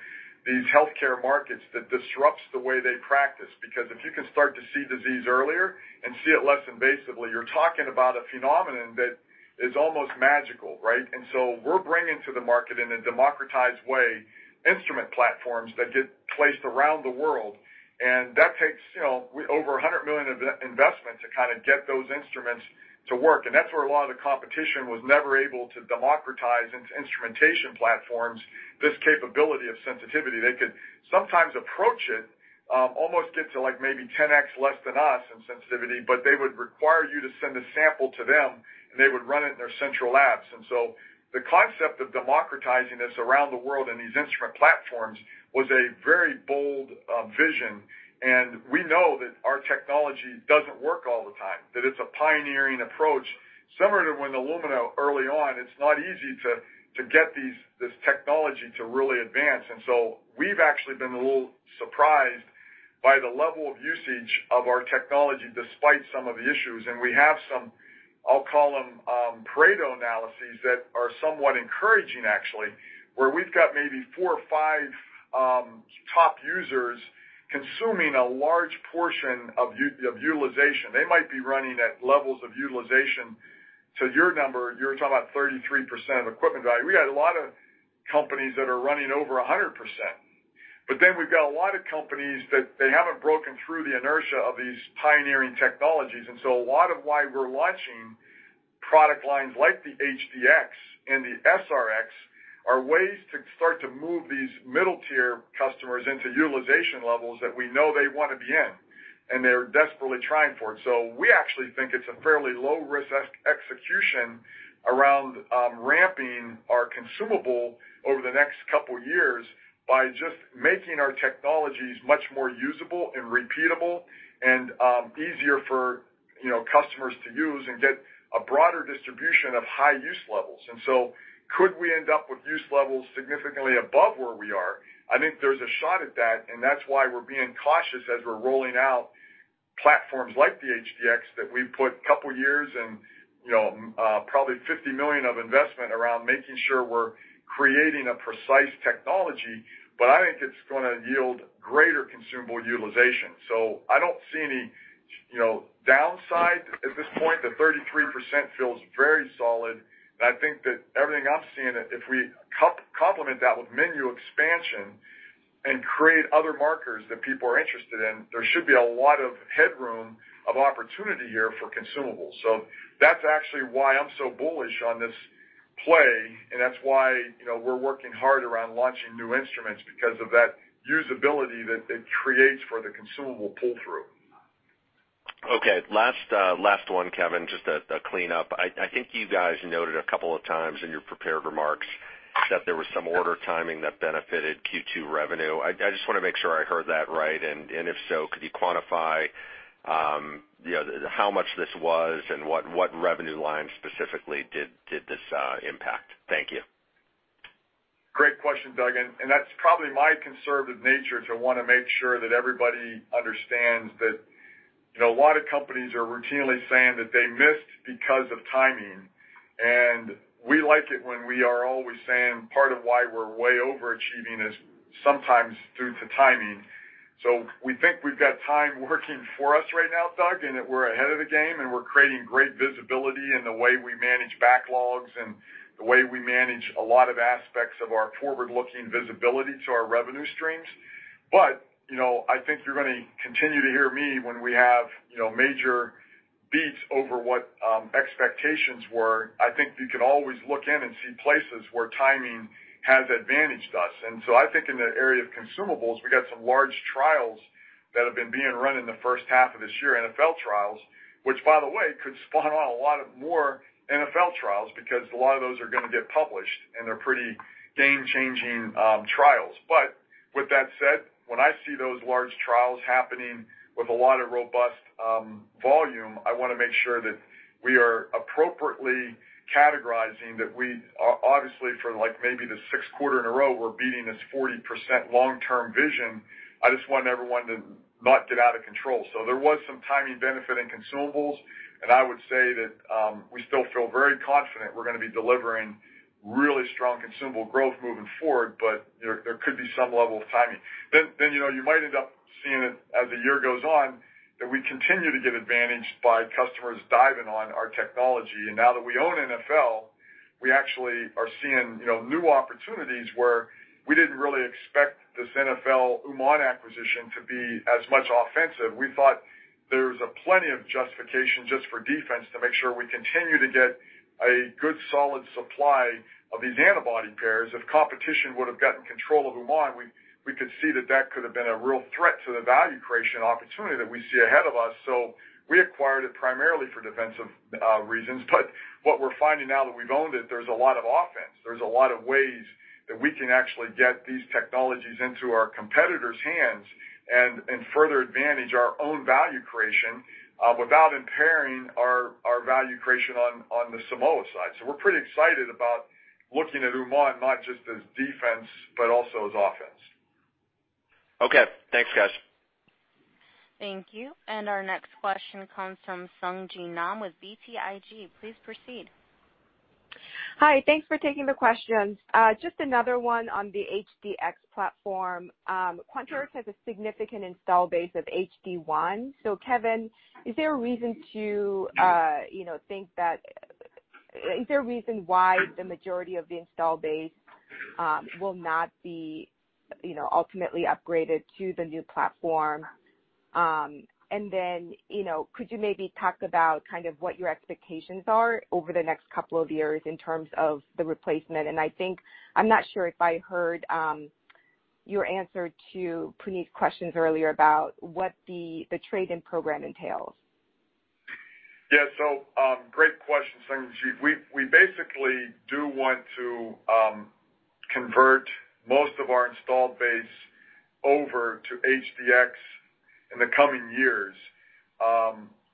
these healthcare markets that disrupts the way they practice. If you can start to see disease earlier and see it less invasively, you're talking about a phenomenon that is almost magical, right? We're bringing to the market in a democratized way, instrument platforms that get placed around the world. That takes over $100 million of investment to kind of get those instruments to work. That's where a lot of the competition was never able to democratize its instrumentation platforms, this capability of sensitivity. They could sometimes approach it, almost get to maybe 10X less than us in sensitivity, but they would require you to send a sample to them, and they would run it in their central labs. The concept of democratizing this around the world and these instrument platforms was a very bold vision. We know that our technology doesn't work all the time, that it's a pioneering approach. Similar to when Illumina early on, it's not easy to get this technology to really advance. We've actually been a little surprised by the level of usage of our technology despite some of the issues. We have some, I'll call them Pareto analyses that are somewhat encouraging, actually, where we've got maybe four or five top users consuming a large portion of utilization. They might be running at levels of utilization to your number, you're talking about 33% of equipment value. We've got a lot of companies that are running over 100%. We've got a lot of companies that they haven't broken through the inertia of these pioneering technologies. A lot of why we're launching product lines like the HD-X and the SR-X are ways to start to move these middle-tier customers into utilization levels that we know they want to be in, and they're desperately trying for it. We actually think it's a fairly low-risk execution around ramping our consumable over the next couple of years by just making our technologies much more usable and repeatable and easier for customers to use and get a broader distribution of high use levels. Could we end up with use levels significantly above where we are? I think there's a shot at that, and that's why we're being cautious as we're rolling out platforms like the HD-X that we've put a couple of years and probably $50 million of investment around making sure we're creating a precise technology. I think it's going to yield greater consumable utilization. I don't see any downside at this point. The 33% feels very solid. I think that everything I'm seeing, if we complement that with menu expansion and create other markers that people are interested in, there should be a lot of headroom of opportunity here for consumables. That's actually why I'm so bullish on this play. That's why we're working hard around launching new instruments, because of that usability that it creates for the consumable pull-through. Okay. Last one, Kevin, just a cleanup. I think you guys noted a couple of times in your prepared remarks that there was some order timing that benefited Q2 revenue. I just want to make sure I heard that right. If so, could you quantify how much this was and what revenue line specifically did this impact? Thank you. Great question, Doug. That's probably my conservative nature to want to make sure that everybody understands that a lot of companies are routinely saying that they missed because of timing, and we like it when we are always saying part of why we're way overachieving is sometimes due to timing. We think we've got time working for us right now, Doug, and that we're ahead of the game, and we're creating great visibility in the way we manage backlogs and the way we manage a lot of aspects of our forward-looking visibility to our revenue streams. I think you're going to continue to hear me when we have major beats over what expectations were. I think you could always look in and see places where timing has advantaged us. I think in the area of consumables, we got some large trials that have been being run in the first half of this year, NfL trials, which, by the way, could spawn a lot more NfL trials because a lot of those are going to get published, and they're pretty game-changing trials. With that said, when I see those large trials happening with a lot of robust volume, I want to make sure that we are appropriately categorizing that we obviously, for maybe the sixth quarter in a row, we're beating this 40% long-term vision. I just want everyone to not get out of control. There was some timing benefit in consumables, and I would say that we still feel very confident we're going to be delivering really strong consumable growth moving forward, but there could be some level of timing. You might end up seeing it as the year goes on, that we continue to get advantaged by customers diving on our technology. Now that we own NfL, we actually are seeing new opportunities where we didn't really expect this NfL UmanDiagnostics acquisition to be as much offensive. We thought there was plenty of justification just for defense to make sure we continue to get a good, solid supply of these antibody pairs. If competition would have gotten control of UmanDiagnostics, we could see that that could have been a real threat to the value creation opportunity that we see ahead of us. We acquired it primarily for defensive reasons. What we're finding now that we've owned it, there's a lot of offense. There's a lot of ways that we can actually get these technologies into our competitors' hands and further advantage our own value creation without impairing our value creation on the Simoa side. We're pretty excited about looking at UmanDiagnostics not just as defense, but also as offense. Okay. Thanks, guys. Thank you. Our next question comes from Sung Ji Nam with BTIG. Please proceed. Hi. Thanks for taking the questions. Just another one on the HD-X platform. Quanterix has a significant install base of HD-1. Kevin, is there a reason why the majority of the install base will not be ultimately upgraded to the new platform? Could you maybe talk about what your expectations are over the next couple of years in terms of the replacement? I think I'm not sure if I heard your answer to Puneet's questions earlier about what the trade-in program entails. Yeah. Great question, Sung Ji. We basically do want to convert most of our installed base over to HDx in the coming years.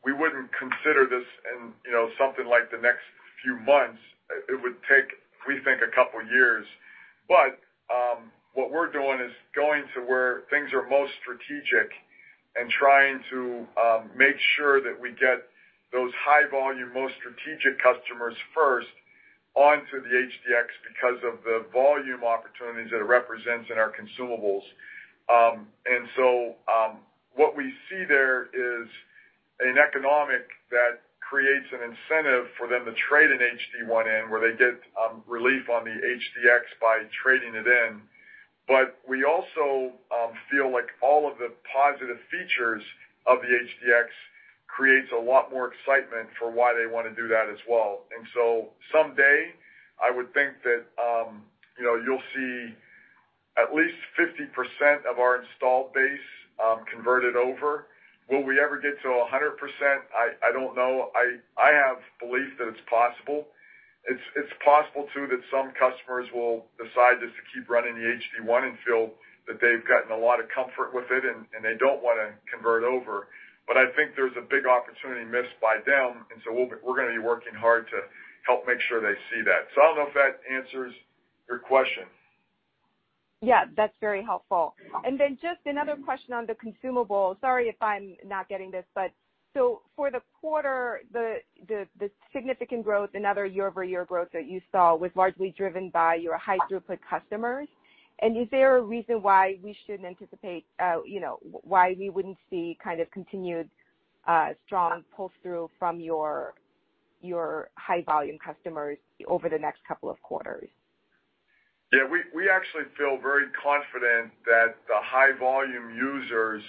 We wouldn't consider this in something like the next few months. It would take, we think, a couple of years. What we're doing is going to where things are most strategic and trying to make sure that we get those high-volume, most strategic customers first onto the HDx because of the volume opportunities that it represents in our consumables. What we see there is an economic that creates an incentive for them to trade an HD-1 in, where they get relief on the HDx by trading it in. We also feel like all of the positive features of the HDx creates a lot more excitement for why they want to do that as well. Someday, I would think that you'll see at least 50% of our installed base converted over. Will we ever get to 100%? I don't know. I have belief that it's possible. It's possible too, that some customers will decide just to keep running the HD-1 and feel that they've gotten a lot of comfort with it and they don't want to convert over. I think there's a big opportunity missed by them, and so we're going to be working hard to help make sure they see that. I don't know if that answers your question. Yeah, that's very helpful. Just another question on the consumable. Sorry if I'm not getting this, for the quarter, the significant growth and other year-over-year growth that you saw was largely driven by your high throughput customers. Is there a reason why we shouldn't anticipate, why we wouldn't see kind of continued strong pull-through from your high-volume customers over the next couple of quarters? Yeah, we actually feel very confident that the high volume users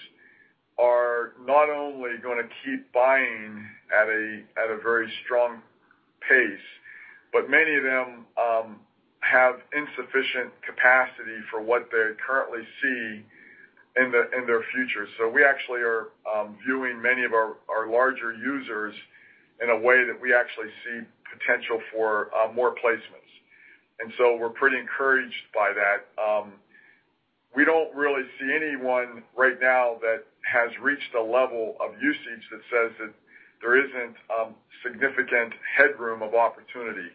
are not only going to keep buying at a very strong pace, but many of them have insufficient capacity for what they currently see in their future. We actually are viewing many of our larger users in a way that we actually see potential for more placements. We're pretty encouraged by that. We don't really see anyone right now that has reached a level of usage that says that there isn't significant headroom of opportunity.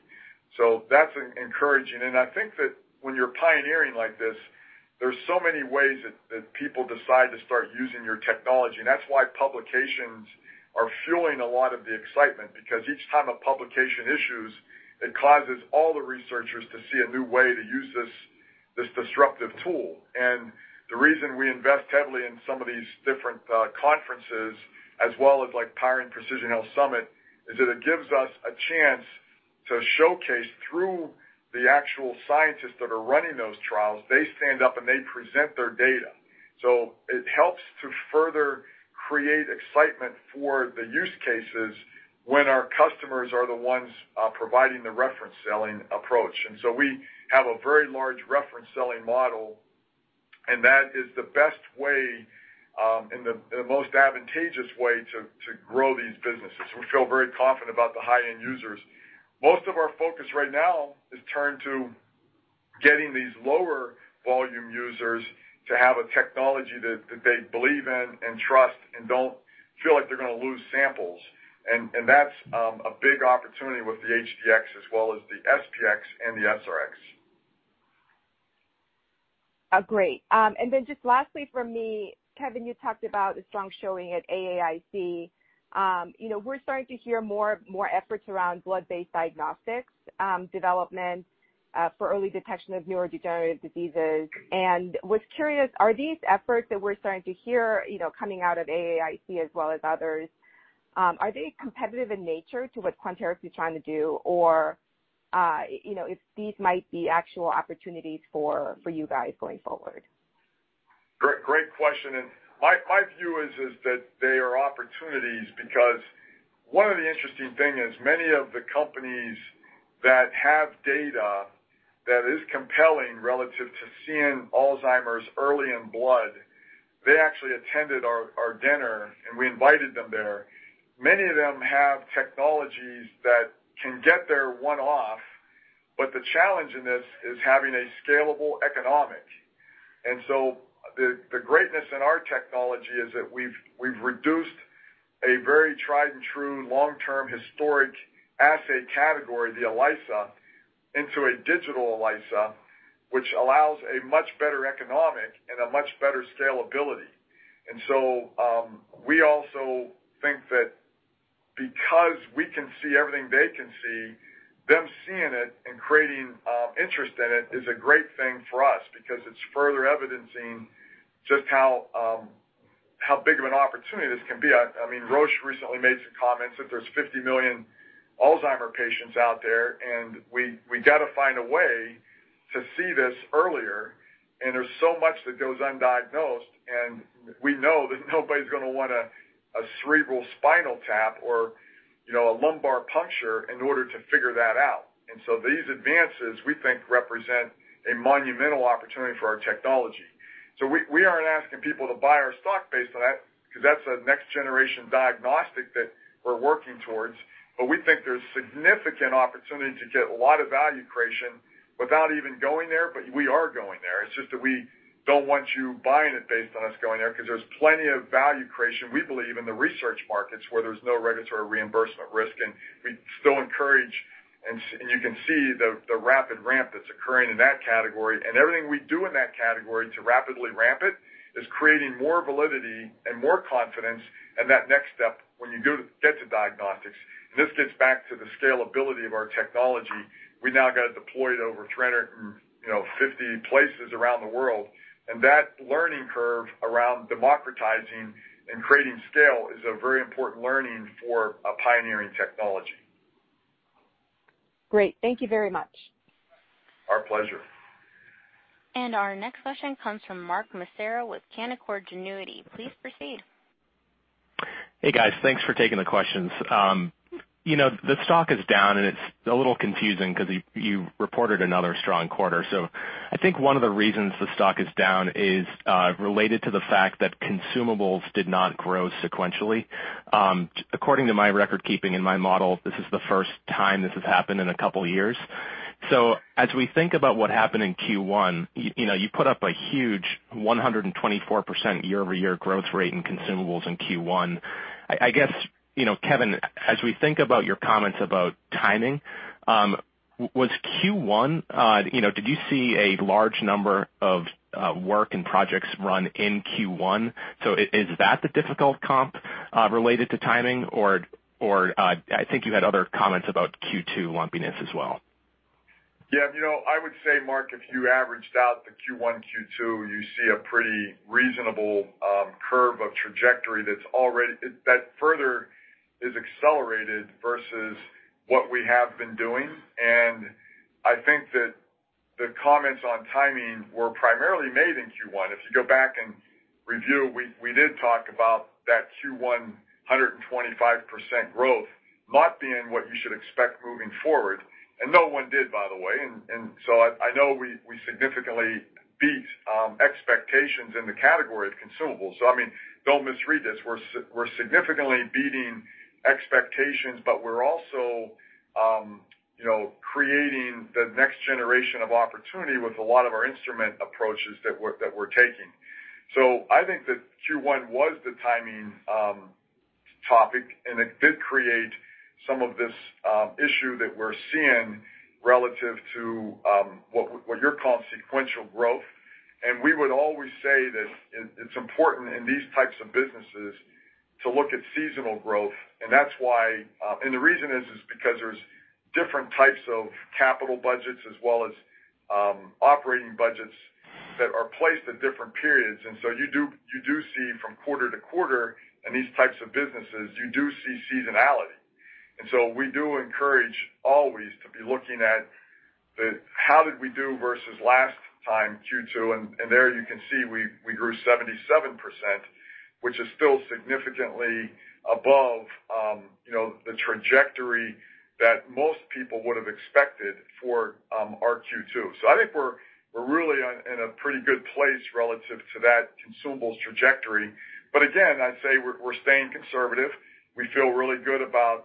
That's encouraging, and I think that when you're pioneering like this, there's so many ways that people decide to start using your technology, and that's why publications are fueling a lot of the excitement, because each time a publication issues, it causes all the researchers to see a new way to use this disruptive tool. The reason we invest heavily in some of these different conferences as well as like Powering Precision Health Summit, is that it gives us a chance to showcase through the actual scientists that are running those trials. They stand up, and they present their data. It helps to further create excitement for the use cases when our customers are the ones providing the reference selling approach. We have a very large reference selling model, and that is the best way and the most advantageous way to grow these businesses. We feel very confident about the high-end users. Most of our focus right now is turned to getting these lower volume users to have a technology that they believe in and trust and don't feel like they're going to lose samples and that's a big opportunity with the HD-X as well as the SP-X and the SR-X. Great. Just lastly from me, Kevin, you talked about a strong showing at AAIC. We're starting to hear more efforts around blood-based diagnostics development for early detection of neurodegenerative diseases. Was curious, are these efforts that we're starting to hear coming out of AAIC as well as others, are they competitive in nature to what Quanterix is trying to do? If these might be actual opportunities for you guys going forward? Great question. My view is that they are opportunities because one of the interesting thing is many of the companies that have data that is compelling relative to seeing Alzheimer's early in blood, they actually attended our dinner, and we invited them there. Many of them have technologies that can get there one-off, the challenge in this is having a scalable economic. The greatness in our technology is that we've reduced a very tried and true long-term historic assay category, the ELISA, into a digital ELISA, which allows a much better economic and a much better scalability. We also think that because we can see everything they can see, them seeing it and creating interest in it is a great thing for us because it's further evidencing just how big of an opportunity this can be. I mean, Roche recently made some comments that there's 50 million Alzheimer's patients out there. We got to find a way to see this earlier. There's so much that goes undiagnosed. We know that nobody's going to want a cerebral spinal tap or a lumbar puncture in order to figure that out. These advances, we think, represent a monumental opportunity for our technology. We aren't asking people to buy our stock based on that because that's a next generation diagnostic that we're working towards. We think there's significant opportunity to get a lot of value creation without even going there, but we are going there. It's just that we don't want you buying it based on us going there because there's plenty of value creation, we believe, in the research markets where there's no regulatory reimbursement risk, and we still encourage, and you can see the rapid ramp that's occurring in that category. Everything we do in that category to rapidly ramp it is creating more validity and more confidence in that next step when you do get to diagnostics, and this gets back to the scalability of our technology. We now got it deployed over 350 places around the world, and that learning curve around democratizing and creating scale is a very important learning for a pioneering technology. Great. Thank you very much. Our pleasure. Our next question comes from Max Masucci with Canaccord Genuity. Please proceed. Hey, guys. Thanks for taking the questions. The stock is down. It's a little confusing because you reported another strong quarter. I think one of the reasons the stock is down is related to the fact that consumables did not grow sequentially. According to my record-keeping in my model, this is the first time this has happened in a couple of years. As we think about what happened in Q1, you put up a huge 124% year-over-year growth rate in consumables in Q1. I guess, Kevin, as we think about your comments about timing, did you see a large number of work and projects run in Q1? Is that the difficult comp related to timing? I think you had other comments about Q2 lumpiness as well. I would say, Max, if you averaged out the Q1, Q2, you see a pretty reasonable curve of trajectory that further is accelerated versus what we have been doing. I think that the comments on timing were primarily made in Q1. If you go back and review, we did talk about that Q1 125% growth not being what you should expect moving forward. No one did, by the way. I know we significantly beat expectations in the category of consumables. Don't misread this. We're significantly beating expectations, but we're also creating the next generation of opportunity with a lot of our instrument approaches that we're taking. I think that Q1 was the timing topic, and it did create some of this issue that we're seeing relative to what you're calling sequential growth. We would always say that it's important in these types of businesses to look at seasonal growth, and the reason is because there's different types of capital budgets as well as operating budgets that are placed at different periods. You do see from quarter to quarter in these types of businesses, you do see seasonality. We do encourage always to be looking at how did we do versus last time, Q2, and there you can see we grew 77%, which is still significantly above the trajectory that most people would have expected for our Q2. I think we're really in a pretty good place relative to that consumables trajectory. Again, I'd say we're staying conservative. We feel really good about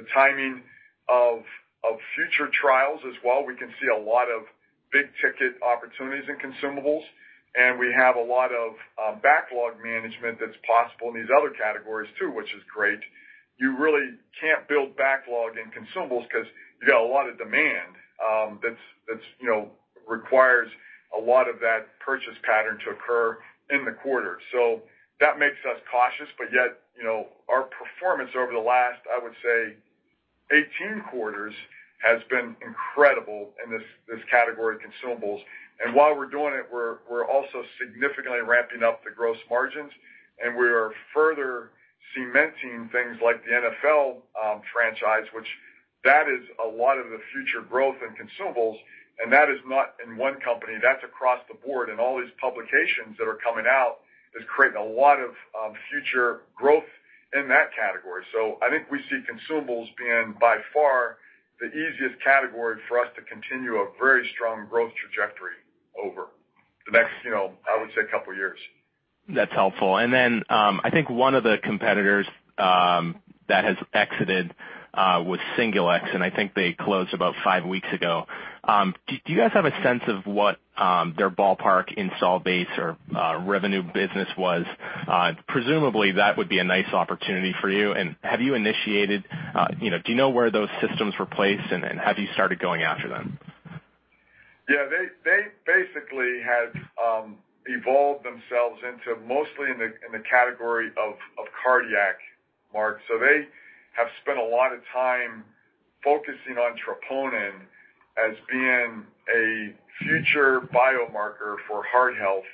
the timing of future trials as well. We can see a lot of big-ticket opportunities in consumables, and we have a lot of backlog management that's possible in these other categories too, which is great. You really can't build backlog in consumables because you got a lot of demand that requires a lot of that purchase pattern to occur in the quarter. That makes us cautious, but yet, our performance over the last, I would say 18 quarters, has been incredible in this category of consumables. While we're doing it, we're also significantly ramping up the gross margins, and we are further cementing things like the NfL franchise, which that is a lot of the future growth in consumables, and that is not in one company. That's across the board. All these publications that are coming out is creating a lot of future growth in that category. I think we see consumables being by far the easiest category for us to continue a very strong growth trajectory over the next, I would say, couple of years. That's helpful. I think one of the competitors that has exited was Singulex, I think they closed about five weeks ago. Do you guys have a sense of what their ballpark install base or revenue business was? Presumably, that would be a nice opportunity for you. Do you know where those systems were placed, and have you started going after them? Yeah. They basically had evolved themselves into mostly in the category of cardiac, Max. They have spent a lot of time focusing on troponin as being a future biomarker for heart health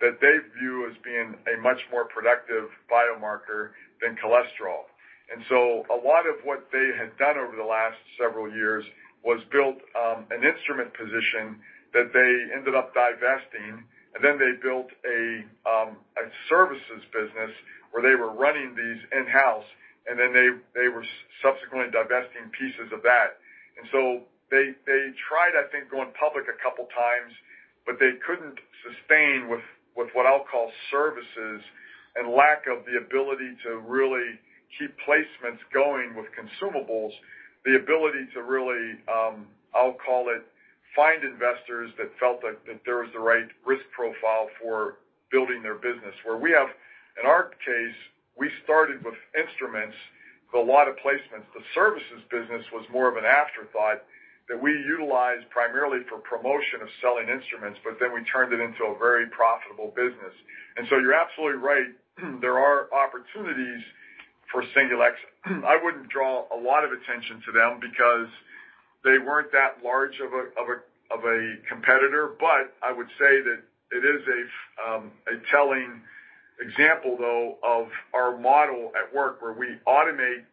that they view as being a much more productive biomarker than cholesterol. A lot of what they had done over the last several years was build an instrument position that they ended up divesting, and then they built a services business where they were running these in-house, and then they were subsequently divesting pieces of that. They tried, I think, going public a couple of times, but they couldn't sustain with what I'll call services and lack of the ability to really keep placements going with consumables, the ability to really, I'll call it, find investors that felt that there was the right risk profile for building their business. Where we have, in our case, we started with instruments with a lot of placements. The services business was more of an afterthought that we utilized primarily for promotion of selling instruments, we turned it into a very profitable business. You're absolutely right. There are opportunities for Singulex. I wouldn't draw a lot of attention to them because they weren't that large of a competitor. I would say that it is a telling example though of our model at work where we automate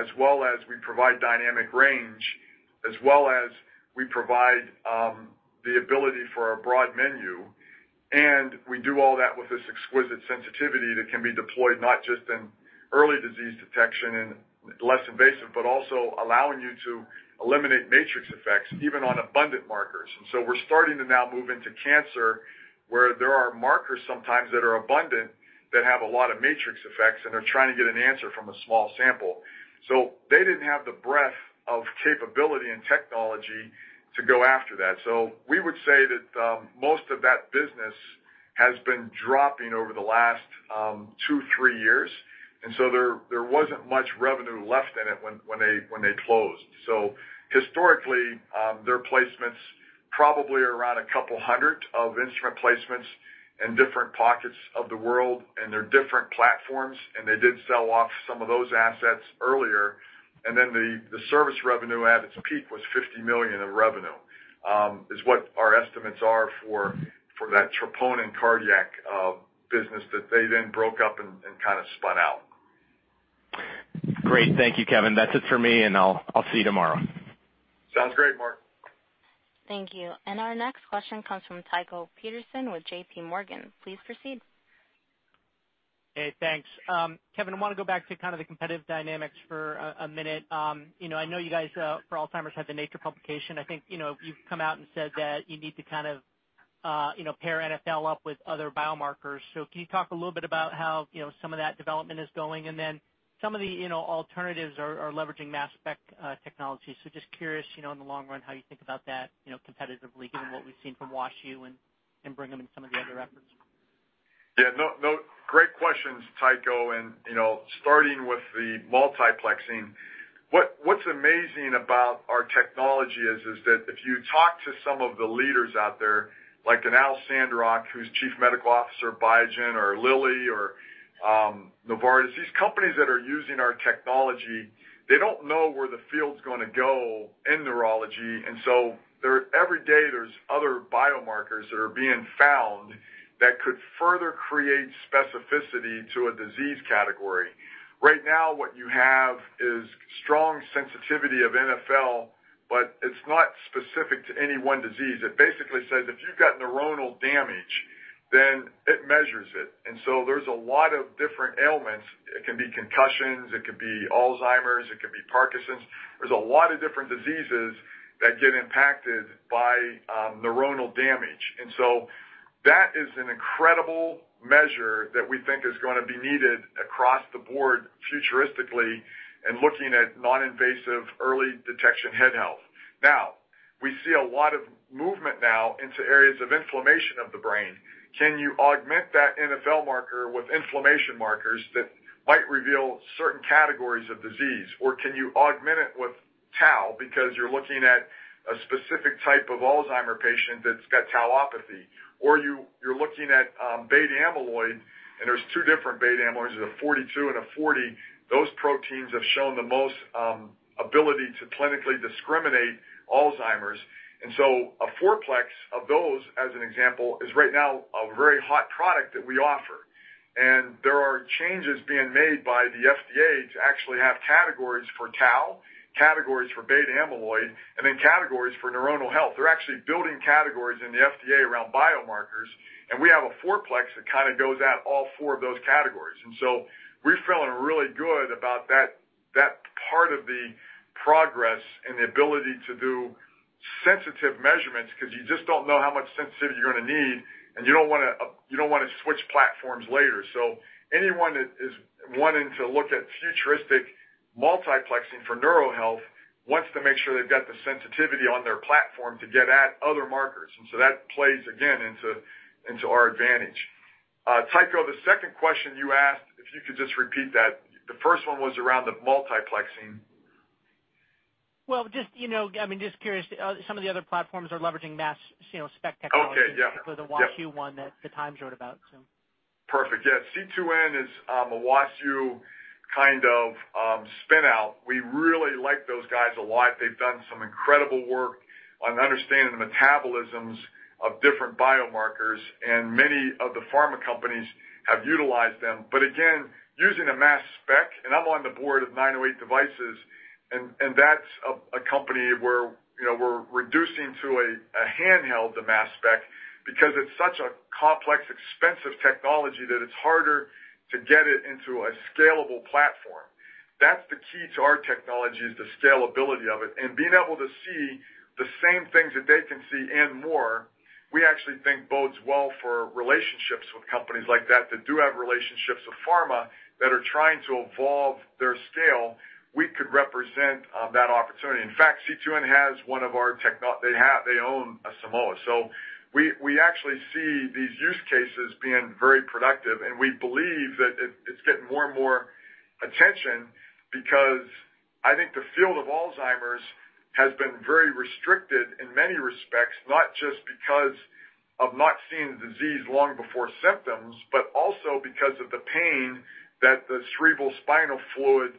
as well as we provide dynamic range, as well as we provide the ability for our broad menu, and we do all that with this exquisite sensitivity that can be deployed not just in early disease detection and less invasive, but also allowing you to eliminate matrix effects even on abundant markers. We're starting to now move into cancer, where there are markers sometimes that are abundant, that have a lot of matrix effects, and they're trying to get an answer from a small sample. They didn't have the breadth of capability and technology to go after that. We would say that most of that business has been dropping over the last two, three years. There wasn't much revenue left in it when they closed. Historically, their placements probably are around a couple hundred of instrument placements in different pockets of the world and their different platforms, and they did sell off some of those assets earlier. Then the service revenue at its peak was $50 million in revenue, is what our estimates are for that troponin cardiac business that they then broke up and kind of spun out. Great. Thank you, Kevin. That's it for me, and I'll see you tomorrow. Sounds great, Max. Thank you. Our next question comes from Tycho Peterson with JPMorgan. Please proceed. Hey, thanks. Kevin, I want to go back to kind of the competitive dynamics for a minute. I know you guys, for Alzheimer's, have the Nature publication. I think, you've come out and said that you need to pair NfL up with other biomarkers. Can you talk a little bit about how some of that development is going? Some of the alternatives are leveraging mass spec technology. Just curious, in the long run, how you think about that, competitively, given what we've seen from WashU and bring them in some of the other efforts. Yeah. Great questions, Tycho. Starting with the multiplexing, what's amazing about our technology is that if you talk to some of the leaders out there, like an Al Sandrock, who's Chief Medical Officer at Biogen or Lilly or Novartis, these companies that are using our technology, they don't know where the field's going to go in neurology, and so every day there's other biomarkers that are being found that could further create specificity to a disease category. Right now what you have is strong sensitivity of NfL, but it's not specific to any one disease. It basically says, if you've got neuronal damage, then it measures it. There's a lot of different ailments. It can be concussions, it could be Alzheimer's, it could be Parkinson's. There's a lot of different diseases that get impacted by neuronal damage. That is an incredible measure that we think is going to be needed across the board futuristically and looking at non-invasive early detection head health. Now, we see a lot of movement now into areas of inflammation of the brain. Can you augment that NfL marker with inflammation markers that might reveal certain categories of disease? Can you augment it with tau? Because you're looking at a specific type of Alzheimer's patient that's got tauopathy. You're looking at beta-amyloid, and there's two different beta-amyloids, there's a 42 and a 40. Those proteins have shown the most ability to clinically discriminate Alzheimer's. A fourplex of those, as an example, is right now a very hot product that we offer. There are changes being made by the FDA to actually have categories for tau, categories for beta-amyloid, and then categories for neuronal health. They're actually building categories in the FDA around biomarkers, and we have a fourplex that kind of goes at all four of those categories. We're feeling really good about that part of the progress and the ability to do sensitive measurements because you just don't know how much sensitivity you're going to need, and you don't want to switch platforms later. Anyone that is wanting to look at futuristic multiplexing for neurohealth wants to make sure they've got the sensitivity on their platform to get at other markers. That plays, again, into our advantage. Tycho, the second question you asked, if you could just repeat that. The first one was around the multiplexing. Well, just curious, some of the other platforms are leveraging mass spectrometry technology. Okay. Yeah particularly the WashU one that the Times wrote about. Perfect. Yeah. C2N is a WashU kind of spin-out. We really like those guys a lot. They've done some incredible work on understanding the metabolisms of different biomarkers, and many of the pharma companies have utilized them. Again, using a mass spec, and I'm on the board of 908 Devices, and that's a company where we're reducing to a handheld mass spec because it's such a complex, expensive technology that it's harder to get it into a scalable platform. That's the key to our technology is the scalability of it and being able to see the same things that they can see and more, we actually think bodes well for relationships with companies like that do have relationships with pharma that are trying to evolve their scale. We could represent that opportunity. In fact, C2N has one of our. They own a Simoa. We actually see these use cases being very productive, and we believe that it's getting more and more attention because I think the field of Alzheimer's has been very restricted in many respects, not just because of not seeing the disease long before symptoms, but also because of the pain that the cerebral spinal fluid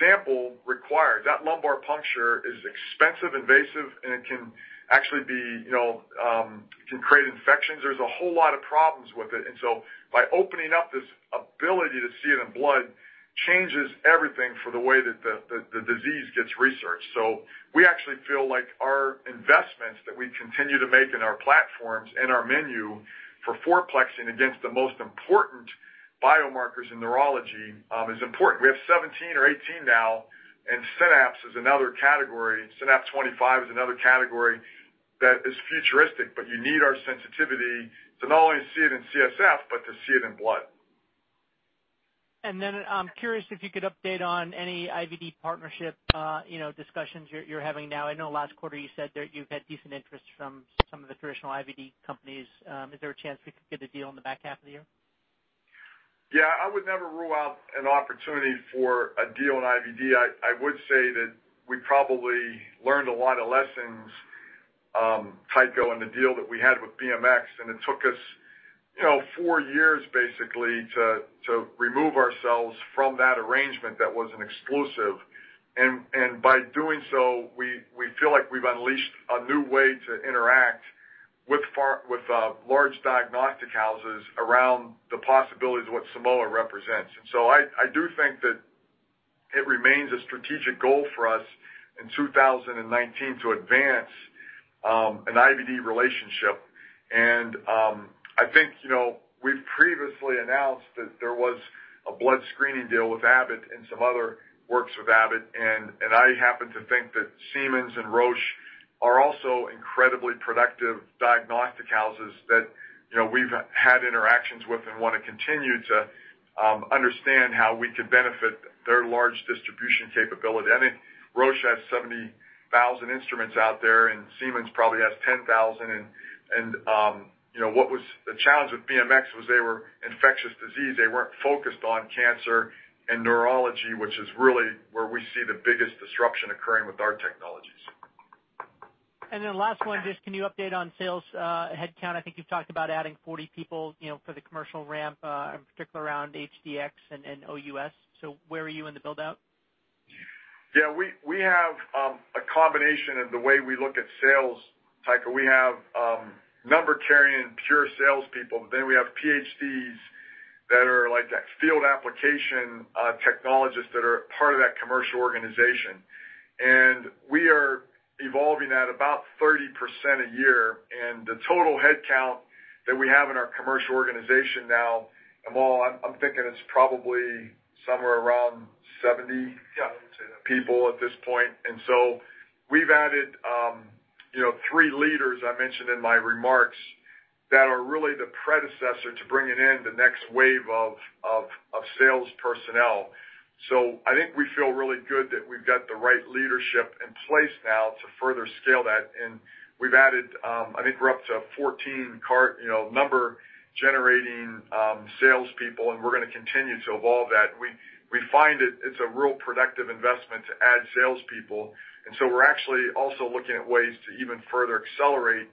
sample required. That lumbar puncture is expensive, invasive, and it can create infections. There's a whole lot of problems with it. By opening up this ability to see it in blood changes everything for the way that the disease gets researched. We actually feel like our investments that we continue to make in our platforms and our menu for 4-plexing against the most important biomarkers in neurology, is important. We have 17 or 18 now, and Synapse is another category. SNAP-25 is another category that is futuristic, but you need our sensitivity to not only see it in CSF, but to see it in blood. I'm curious if you could update on any IVD partnership discussions you're having now. I know last quarter you said that you've had decent interest from some of the traditional IVD companies. Is there a chance we could get a deal in the back half of the year? Yeah, I would never rule out an opportunity for a deal in IVD. I would say that we probably learned a lot of lessons, Tycho, in the deal that we had with bioMérieux. It took us four years, basically, to remove ourselves from that arrangement that was an exclusive. By doing so, we feel like we've unleashed a new way to interact with large diagnostic houses around the possibilities of what Simoa represents. I do think that it remains a strategic goal for us in 2019 to advance an IVD relationship. I think we've previously announced that there was a blood screening deal with Abbott and some other works with Abbott, and I happen to think that Siemens and Roche are also incredibly productive diagnostic houses that we've had interactions with and want to continue to understand how we could benefit their large distribution capability. I think Roche has 70,000 instruments out there, and Siemens probably has 10,000. The challenge with bioMérieux was they were infectious disease. They weren't focused on cancer and neurology, which is really where we see the biggest disruption occurring with our technologies. Last one, just can you update on sales headcount? I think you've talked about adding 40 people for the commercial ramp, in particular around HD-X and OUS. Where are you in the build-out? We have a combination of the way we look at sales, Tycho. We have number-carrying pure salespeople, but then we have PhDs that are field application technologists that are a part of that commercial organization. We are evolving at about 30% a year, and the total headcount that we have in our commercial organization now, Amol, I'm thinking it's probably somewhere around 70- Yeah, I would say that. people at this point. We've added three leaders I mentioned in my remarks that are really the predecessor to bringing in the next wave of sales personnel. I think we feel really good that we've got the right leadership in place now to further scale that. We've added, I think we're up to 14 number-generating salespeople, and we're going to continue to evolve that. We find that it's a real productive investment to add salespeople, we're actually also looking at ways to even further accelerate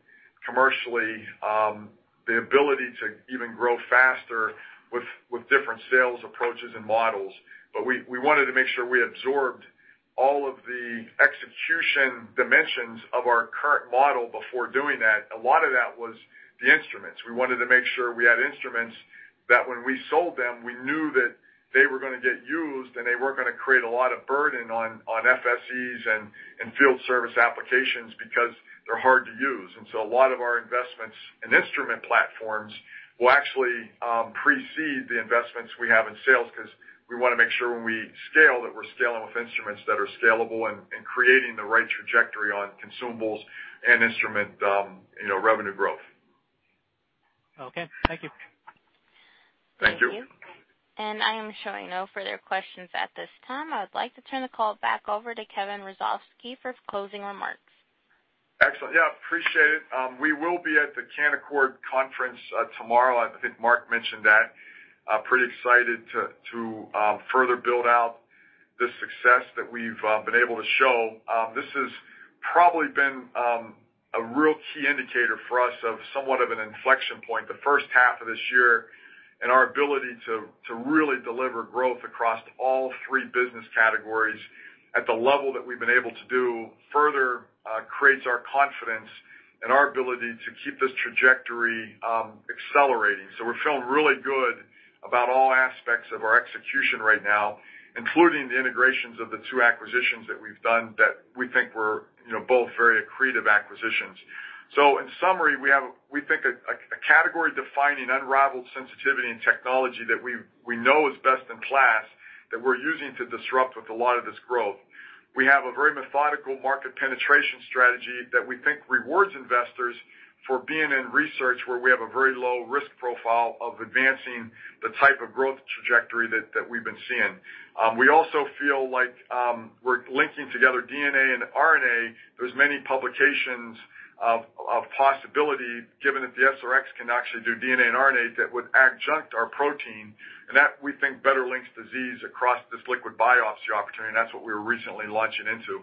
commercially, the ability to even grow faster with different sales approaches and models. We wanted to make sure we absorbed all of the execution dimensions of our current model before doing that. A lot of that was the instruments. We wanted to make sure we had instruments that when we sold them, we knew that they were going to get used and they weren't going to create a lot of burden on FSEs and field service applications because they're hard to use. A lot of our investments in instrument platforms will actually precede the investments we have in sales because we want to make sure when we scale, that we're scaling with instruments that are scalable and creating the right trajectory on consumables and instrument revenue growth. Okay, thank you. Thank you. Thank you. I am showing no further questions at this time. I would like to turn the call back over to Kevin Hrusovsky for closing remarks. Excellent. Yeah, appreciate it. We will be at the Canaccord Conference tomorrow. I think Max mentioned that. Excited to further build out the success that we've been able to show. This has probably been a real key indicator for us of somewhat of an inflection point the first half of this year, and our ability to really deliver growth across all three business categories at the level that we've been able to do further creates our confidence and our ability to keep this trajectory accelerating. We're feeling really good about all aspects of our execution right now, including the integrations of the two acquisitions that we've done that we think were both very accretive acquisitions. In summary, we think a category-defining, unrivaled sensitivity and technology that we know is best in class that we're using to disrupt with a lot of this growth. We have a very methodical market penetration strategy that we think rewards investors for being in research where we have a very low risk profile of advancing the type of growth trajectory that we've been seeing. We also feel like we're linking together DNA and RNA. There's many publications of possibility given that the SP-X can actually do DNA and RNA that would adjunct our protein, and that we think better links disease across this liquid biopsy opportunity, and that's what we're recently launching into.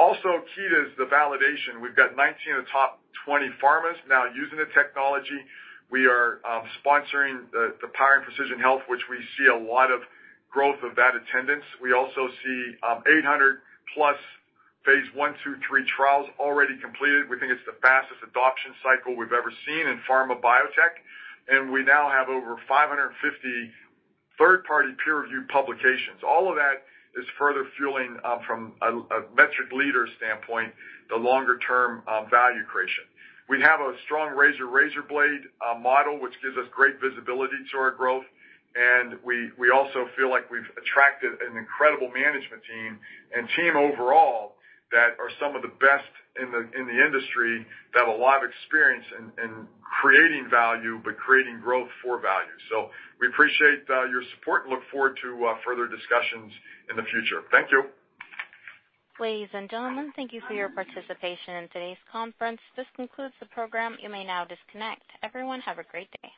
Also key to this is the validation. We've got 19 of the top 20 pharmas now using the technology. We are sponsoring the Powering Precision Health, which we see a lot of growth of that attendance. We also see 800-plus Phase I, II, III trials already completed. We think it's the fastest adoption cycle we've ever seen in pharma biotech, and we now have over 550 third-party peer-reviewed publications. All of that is further fueling, from a metric leader standpoint, the longer-term value creation. We have a strong razor-razor blade model, which gives us great visibility to our growth, and we also feel like we've attracted an incredible management team and team overall that are some of the best in the industry that have a lot of experience in creating value, but creating growth for value. We appreciate your support and look forward to further discussions in the future. Thank you. Ladies and gentlemen, thank you for your participation in today's conference. This concludes the program. You may now disconnect. Everyone, have a great day.